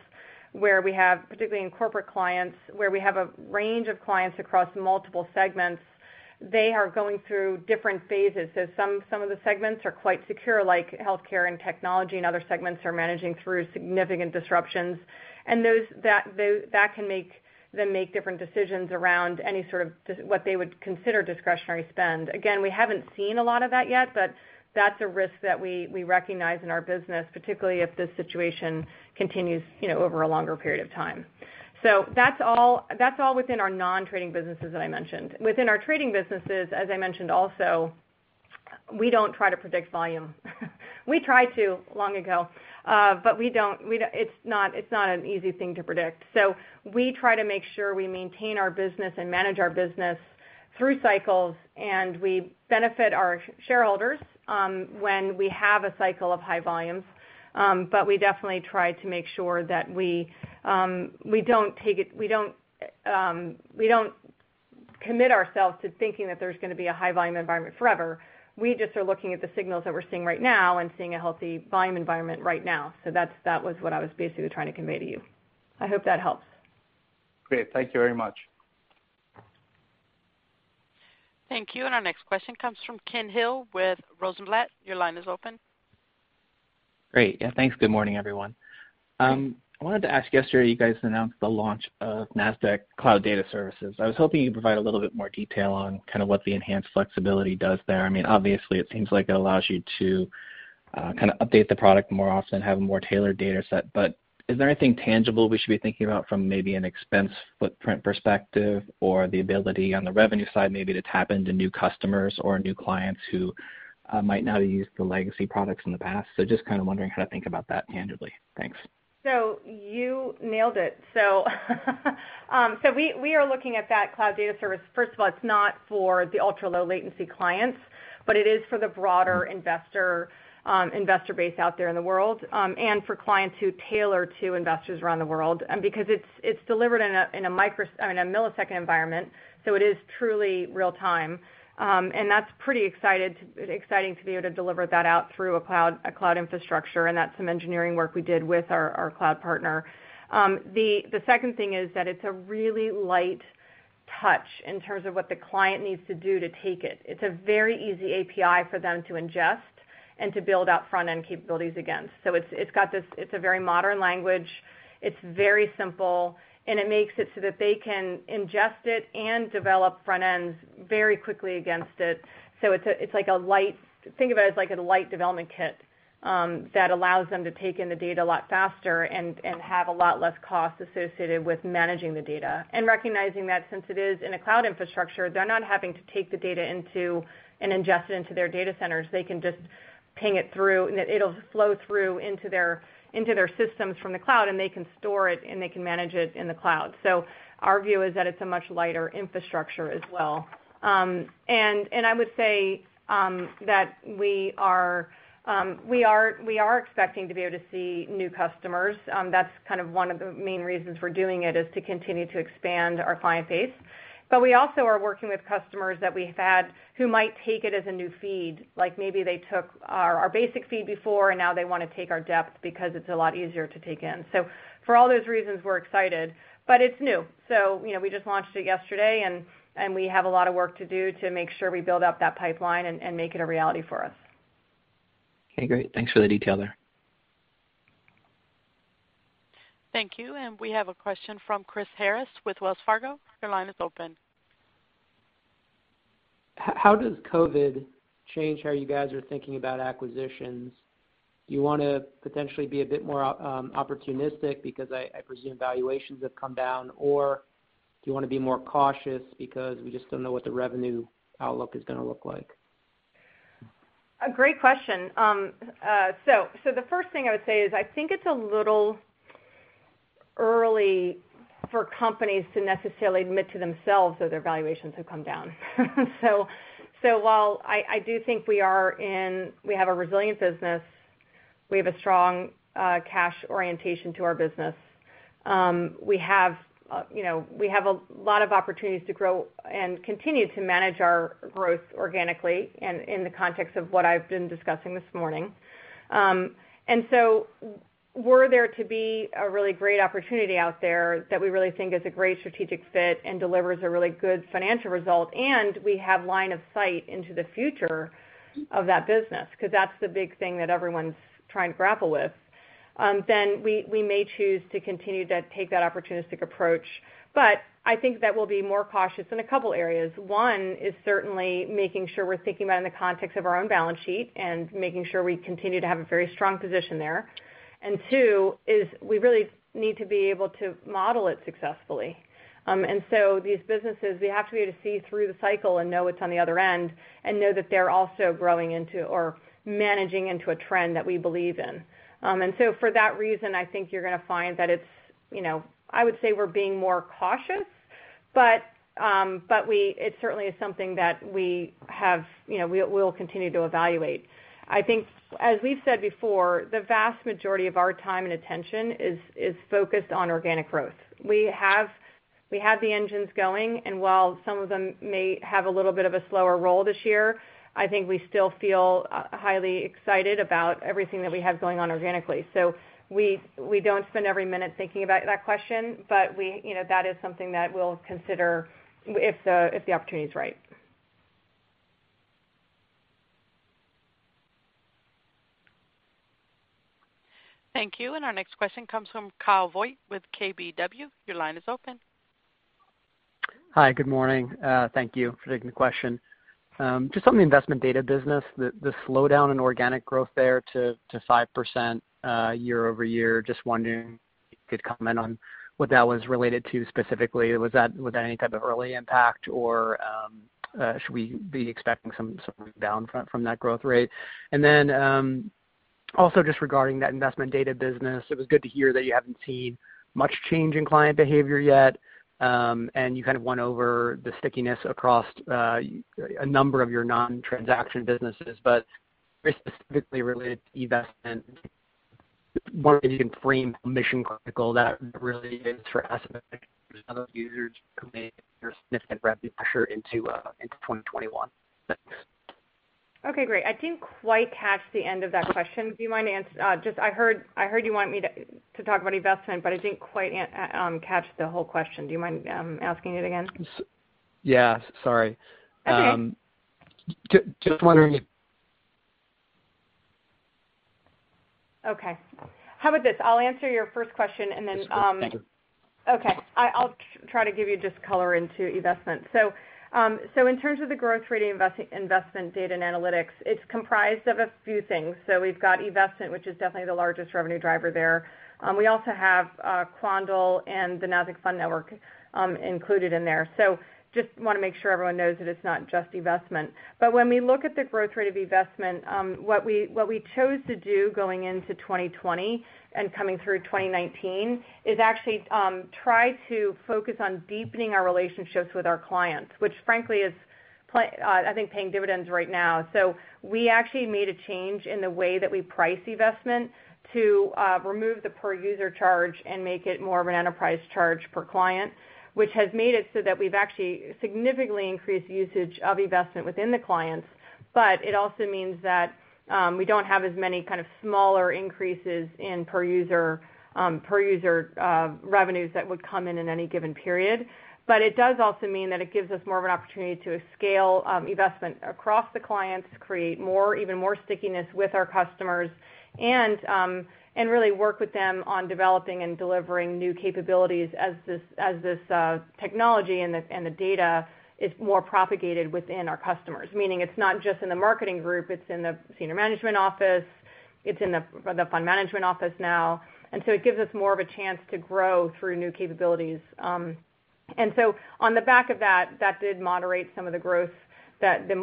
where we have, particularly in corporate clients, where we have a range of clients across multiple segments, they are going through different phases. Some of the segments are quite secure, like healthcare and technology, and other segments are managing through significant disruptions. That can make them make different decisions around any sort of what they would consider discretionary spend. Again, we haven't seen a lot of that yet, but that's a risk that we recognize in our business, particularly if this situation continues over a longer period of time. That's all within our non-trading businesses that I mentioned. Within our trading businesses, as I mentioned also, we don't try to predict volume. We tried to long ago, but it's not an easy thing to predict. We try to make sure we maintain our business and manage our business through cycles, and we benefit our shareholders when we have a cycle of high volumes. We definitely try to make sure that we don't commit ourselves to thinking that there's going to be a high volume environment forever. We just are looking at the signals that we're seeing right now and seeing a healthy volume environment right now. That was what I was basically trying to convey to you. I hope that helps. Great. Thank you very much. Thank you. Our next question comes from Ken Hill with Rosenblatt. Your line is open. Great. Yeah, thanks. Good morning, everyone. Good morning. I wanted to ask, yesterday you guys announced the launch of Nasdaq Cloud Data Service. I was hoping you'd provide a little bit more detail on kind of what the enhanced flexibility does there. Obviously it seems like it allows you to kind of update the product more often and have a more tailored data set. Is there anything tangible we should be thinking about from maybe an expense footprint perspective or the ability on the revenue side, maybe to tap into new customers or new clients who might not have used the legacy products in the past? Just kind of wondering how to think about that tangibly. Thanks. You nailed it. We are looking at that Nasdaq Cloud Data Service, first of all, it's not for the ultra-low latency clients, but it is for the broader investor base out there in the world, and for clients who tailor to investors around the world. Because it's delivered in a millisecond environment, so it is truly real-time. That's pretty exciting to be able to deliver that out through a cloud infrastructure, and that's some engineering work we did with our cloud partner. The second thing is that it's a really light touch in terms of what the client needs to do to take it. It's a very easy API for them to ingest and to build out front-end capabilities against. It's a very modern language. It's very simple, and it makes it so that they can ingest it and develop front ends very quickly against it. Think of it as like a light development kit that allows them to take in the data a lot faster and have a lot less cost associated with managing the data. Recognizing that since it is in a cloud infrastructure, they're not having to take the data into and ingest it into their data centers. They can just ping it through, and it'll flow through into their systems from the cloud, and they can store it and they can manage it in the cloud. Our view is that it's a much lighter infrastructure as well. I would say that we are expecting to be able to see new customers. That's kind of one of the main reasons we're doing it is to continue to expand our client base. We also are working with customers that we've had who might take it as a new feed. Like maybe they took our basic feed before, and now they want to take our depth because it's a lot easier to take in. For all those reasons, we're excited. It's new. We just launched it yesterday, and we have a lot of work to do to make sure we build out that pipeline and make it a reality for us. Okay, great. Thanks for the detail there. Thank you. We have a question from Chris Harris with Wells Fargo. Your line is open. How does COVID change how you guys are thinking about acquisitions? Do you want to potentially be a bit more opportunistic because I presume valuations have come down? Or do you want to be more cautious because we just don't know what the revenue outlook is going to look like? A great question. The first thing I would say is I think it's a little early for companies to necessarily admit to themselves that their valuations have come down. While I do think we have a resilient business, we have a strong cash orientation to our business. We have a lot of opportunities to grow and continue to manage our growth organically in the context of what I've been discussing this morning. Were there to be a really great opportunity out there that we really think is a great strategic fit and delivers a really good financial result, and we have line of sight into the future of that business, because that's the big thing that everyone's trying to grapple with. We may choose to continue to take that opportunistic approach. I think that we'll be more cautious in a couple areas. One is certainly making sure we're thinking about it in the context of our own balance sheet and making sure we continue to have a very strong position there. Two is we really need to be able to model it successfully. These businesses, we have to be able to see through the cycle and know what's on the other end and know that they're also growing into or managing into a trend that we believe in. For that reason, I think you're going to find that, I would say we're being more cautious, but it certainly is something that we will continue to evaluate. I think, as we've said before, the vast majority of our time and attention is focused on organic growth. We have the engines going, and while some of them may have a little bit of a slower roll this year, I think we still feel highly excited about everything that we have going on organically. We don't spend every minute thinking about that question, but that is something that we'll consider if the opportunity is right. Thank you. Our next question comes from Kyle Voigt with KBW. Your line is open. Hi. Good morning. Thank you for taking the question. Just on the Investment Data business, the slowdown in organic growth there to 5% year-over-year. Just wondering if you could comment on what that was related to specifically. Was that any type of early impact or should we be expecting some downside from that growth rate? Also just regarding that Investment Data business, it was good to hear that you haven't seen much change in client behavior yet, and you kind of went over the stickiness across a number of your non-transaction businesses, but very specifically related to eVestment, wondering if you can frame mission critical that really is for eVestment users who may significant revenue pressure into 2021. Thanks. Okay, great. I didn't quite catch the end of that question. I heard you want me to talk about eVestment, but I didn't quite catch the whole question. Do you mind asking it again? Yeah. Sorry. That's okay. Just wondering if- Okay. How about this? I'll answer your first question. That's great. Thank you. I'll try to give you just color into eVestment. In terms of the growth rate of Investment Data and Analytics, it's comprised of a few things. We've got eVestment, which is definitely the largest revenue driver there. We also have Quandl and the Nasdaq Fund Network included in there. Just want to make sure everyone knows that it's not just eVestment. When we look at the growth rate of eVestment, what we chose to do going into 2020 and coming through 2019 is actually try to focus on deepening our relationships with our clients, which frankly is, I think, paying dividends right now. We actually made a change in the way that we price eVestment to remove the per user charge and make it more of an enterprise charge per client, which has made it so that we've actually significantly increased usage of eVestment within the clients. It also means that we don't have as many kind of smaller increases in per user revenues that would come in in any given period. It does also mean that it gives us more of an opportunity to scale eVestment across the clients, create even more stickiness with our customers, and really work with them on developing and delivering new capabilities as this technology and the data is more propagated within our customers. Meaning it's not just in the marketing group, it's in the senior management office, it's in the fund management office now. It gives us more of a chance to grow through new capabilities. On the back of that did moderate some of the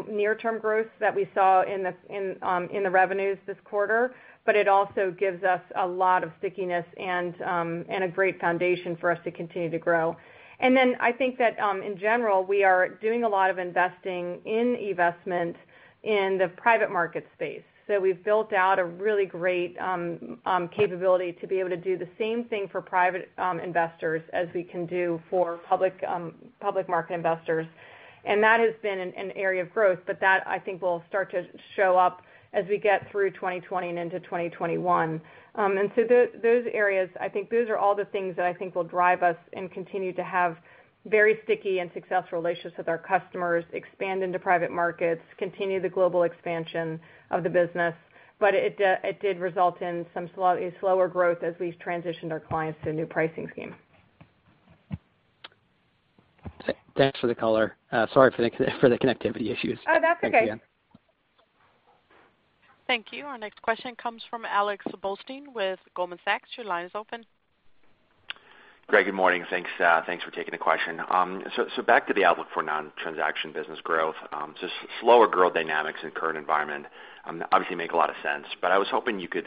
near-term growth that we saw in the revenues this quarter. It also gives us a lot of stickiness and a great foundation for us to continue to grow. I think that, in general, we are doing a lot of investing in eVestment in the private market space. We've built out a really great capability to be able to do the same thing for private investors as we can do for public market investors. That has been an area of growth, but that, I think, will start to show up as we get through 2020 and into 2021. Those areas, I think those are all the things that I think will drive us and continue to have very sticky and successful relationships with our customers, expand into private markets, continue the global expansion of the business. It did result in a slower growth as we've transitioned our clients to a new pricing scheme. Thanks for the color. Sorry for the connectivity issues. Oh, that's okay. Thanks again. Thank you. Our next question comes from Alex Blostein with Goldman Sachs. Your line is open. Great, good morning. Thanks for taking the question. Back to the outlook for non-transaction business growth. Just slower growth dynamics in current environment obviously make a lot of sense, but I was hoping you could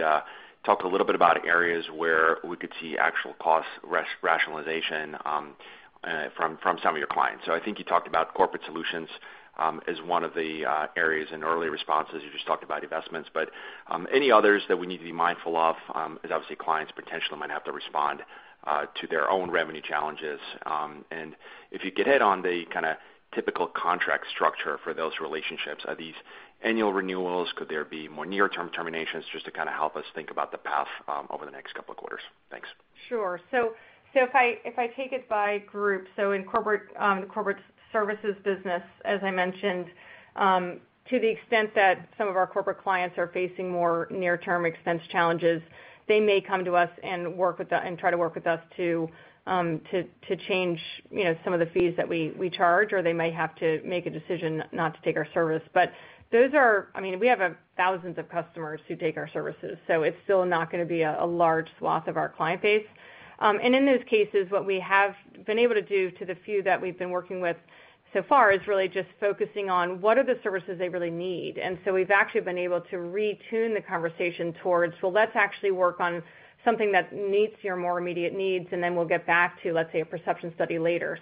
talk a little bit about areas where we could see actual cost rationalization from some of your clients. I think you talked about Corporate Solutions as one of the areas in earlier responses. You just talked about eVestment, but any others that we need to be mindful of? Obviously clients potentially might have to respond to their own revenue challenges. If you could hit on the kind of typical contract structure for those relationships. Are these annual renewals? Could there be more near-term terminations just to kind of help us think about the path over the next couple of quarters? Thanks. Sure. If I take it by group, so in Corporate Services business, as I mentioned, to the extent that some of our corporate clients are facing more near-term expense challenges, they may come to us and try to work with us to change some of the fees that we charge, or they may have to make a decision not to take our service. We have thousands of customers who take our services, so it's still not going to be a large swath of our client base. In those cases, what we have been able to do to the few that we've been working with so far is really just focusing on what are the services they really need. We've actually been able to retune the conversation towards, well, let's actually work on something that meets your more immediate needs, and then we'll get back to, let's say, a perception study later.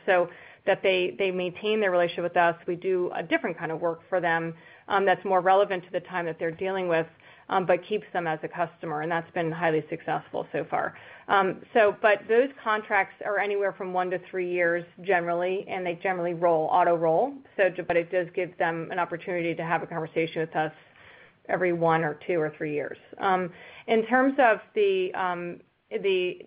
That they maintain their relationship with us. We do a different kind of work for them that's more relevant to the time that they're dealing with but keeps them as a customer, and that's been highly successful so far. Those contracts are anywhere from one to three years generally, and they generally auto roll. It does give them an opportunity to have a conversation with us every one or two or three years. In terms of the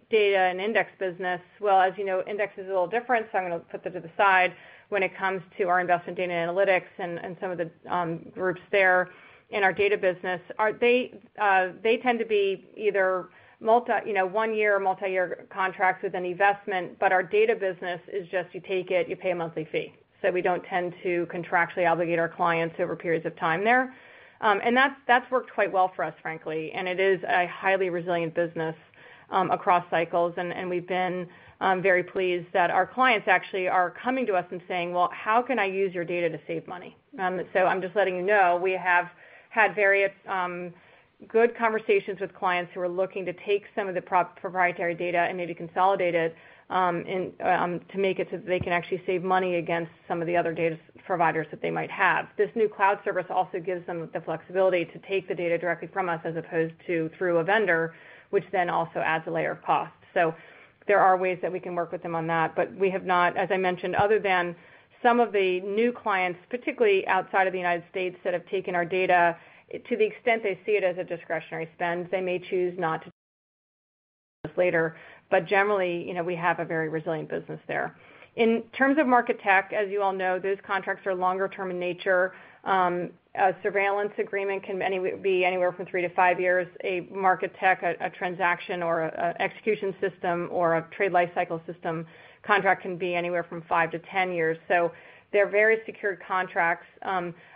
data and index business, well, as you know, index is a little different, so I'm going to put that to the side when it comes to our Investment Data Analytics and some of the groups there in our data business. They tend to be either one-year or multi-year contracts with an investment. Our data business is just you take it, you pay a monthly fee. We don't tend to contractually obligate our clients over periods of time there. That's worked quite well for us, frankly. It is a highly resilient business across cycles. We've been very pleased that our clients actually are coming to us and saying, "Well, how can I use your data to save money?" I'm just letting you know, we have had various good conversations with clients who are looking to take some of the proprietary data and maybe consolidate it to make it so that they can actually save money against some of the other data providers that they might have. This new cloud service also gives them the flexibility to take the data directly from us as opposed to through a vendor, which then also adds a layer of cost. There are ways that we can work with them on that. We have not, as I mentioned, other than some of the new clients, particularly outside of the U.S., that have taken our data, to the extent they see it as a discretionary spend, they may choose not to later. Generally, we have a very resilient business there. In terms of Market Tech, as you all know, those contracts are longer term in nature. A surveillance agreement can be anywhere from three to five years. A Market Tech, a transaction or execution system, or a trade life cycle system contract can be anywhere from five to 10 years. They're very secured contracts.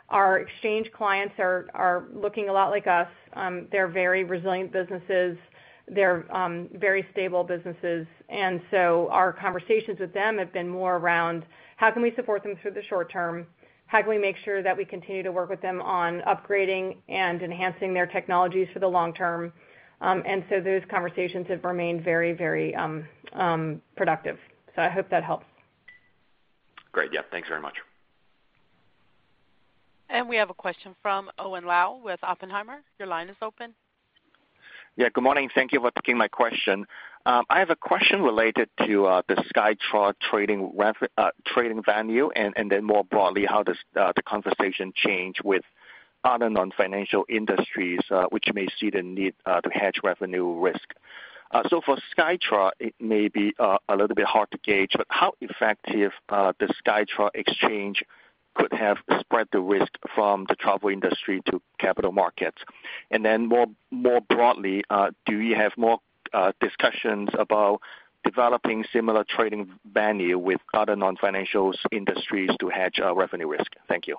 Our exchange clients are looking a lot like us. They're very resilient businesses. They're very stable businesses. Our conversations with them have been more around how can we support them through the short term? How can we make sure that we continue to work with them on upgrading and enhancing their technologies for the long term? Those conversations have remained very productive. I hope that helps. Great. Yeah. Thanks very much. We have a question from Owen Lau with Oppenheimer. Your line is open. Yeah, good morning. Thank you for taking my question. I have a question related to the Skytra trading venue, and then more broadly, how does the conversation change with other non-financial industries which may see the need to hedge revenue risk? For Skytra, it may be a little bit hard to gauge, but how effective the Skytra exchange could have spread the risk from the travel industry to capital markets? More broadly, do you have more discussions about developing similar trading venue with other non-financial industries to hedge revenue risk? Thank you.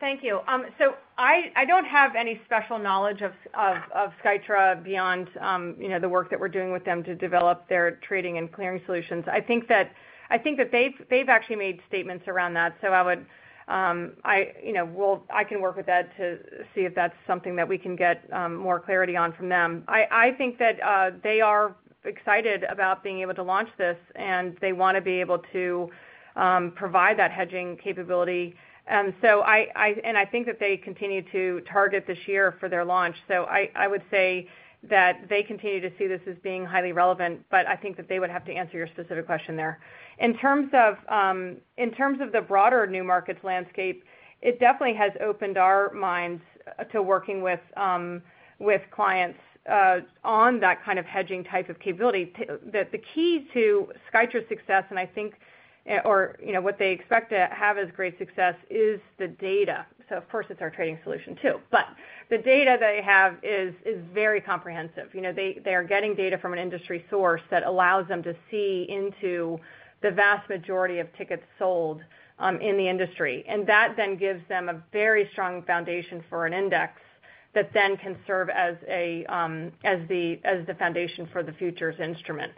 Thank you. I don't have any special knowledge of Skytra beyond the work that we're doing with them to develop their trading and clearing solutions. I think that they've actually made statements around that. I can work with Ed to see if that's something that we can get more clarity on from them. I think that they are excited about being able to launch this, and they want to be able to provide that hedging capability. I think that they continue to target this year for their launch. I would say that they continue to see this as being highly relevant, I think that they would have to answer your specific question there. In terms of the broader new markets landscape, it definitely has opened our minds to working with clients on that kind of hedging type of capability. The key to Skytra's success, or what they expect to have as great success is the data. Of course, it's our trading solution too. The data they have is very comprehensive. They are getting data from an industry source that allows them to see into the vast majority of tickets sold in the industry. That then gives them a very strong foundation for an index that then can serve as the foundation for the futures instrument.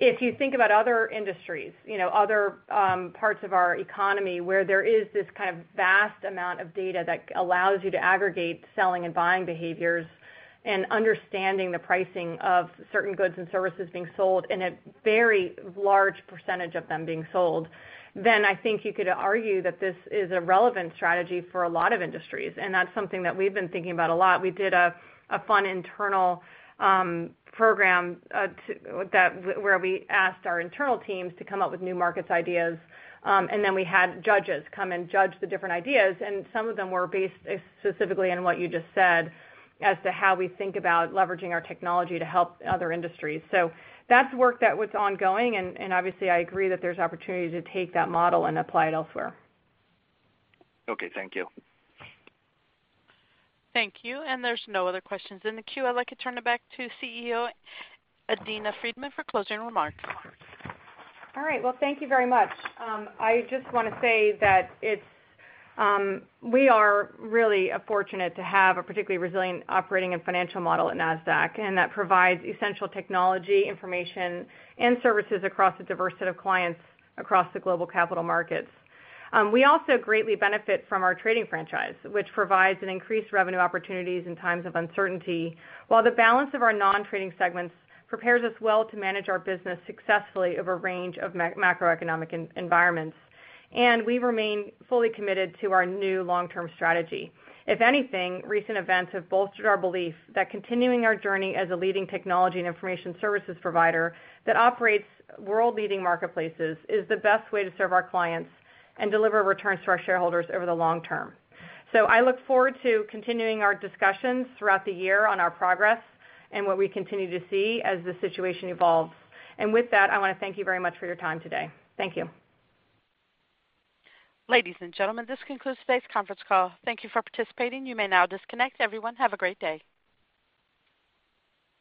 If you think about other industries, other parts of our economy where there is this kind of vast amount of data that allows you to aggregate selling and buying behaviors and understanding the pricing of certain goods and services being sold, and a very large percentage of them being sold, then I think you could argue that this is a relevant strategy for a lot of industries, and that's something that we've been thinking about a lot. We did a fun internal program where we asked our internal teams to come up with new markets ideas, and then we had judges come and judge the different ideas, and some of them were based specifically on what you just said as to how we think about leveraging our technology to help other industries. That's work that was ongoing, and obviously, I agree that there's opportunity to take that model and apply it elsewhere. Okay, thank you. Thank you. There's no other questions in the queue. I'd like to turn it back to CEO Adena Friedman for closing remarks. All right. Well, thank you very much. I just want to say that we are really fortunate to have a particularly resilient operating and financial model at Nasdaq, and that provides essential technology, information, and services across a diverse set of clients across the global capital markets. We also greatly benefit from our trading franchise, which provides an increased revenue opportunities in times of uncertainty, while the balance of our non-trading segments prepares us well to manage our business successfully over a range of macroeconomic environments. We remain fully committed to our new long-term strategy. If anything, recent events have bolstered our belief that continuing our journey as a leading technology and information services provider that operates world-leading marketplaces is the best way to serve our clients and deliver returns to our shareholders over the long term. I look forward to continuing our discussions throughout the year on our progress and what we continue to see as the situation evolves. With that, I want to thank you very much for your time today. Thank you. Ladies and gentlemen, this concludes today's conference call. Thank you for participating. You may now disconnect. Everyone, have a great day.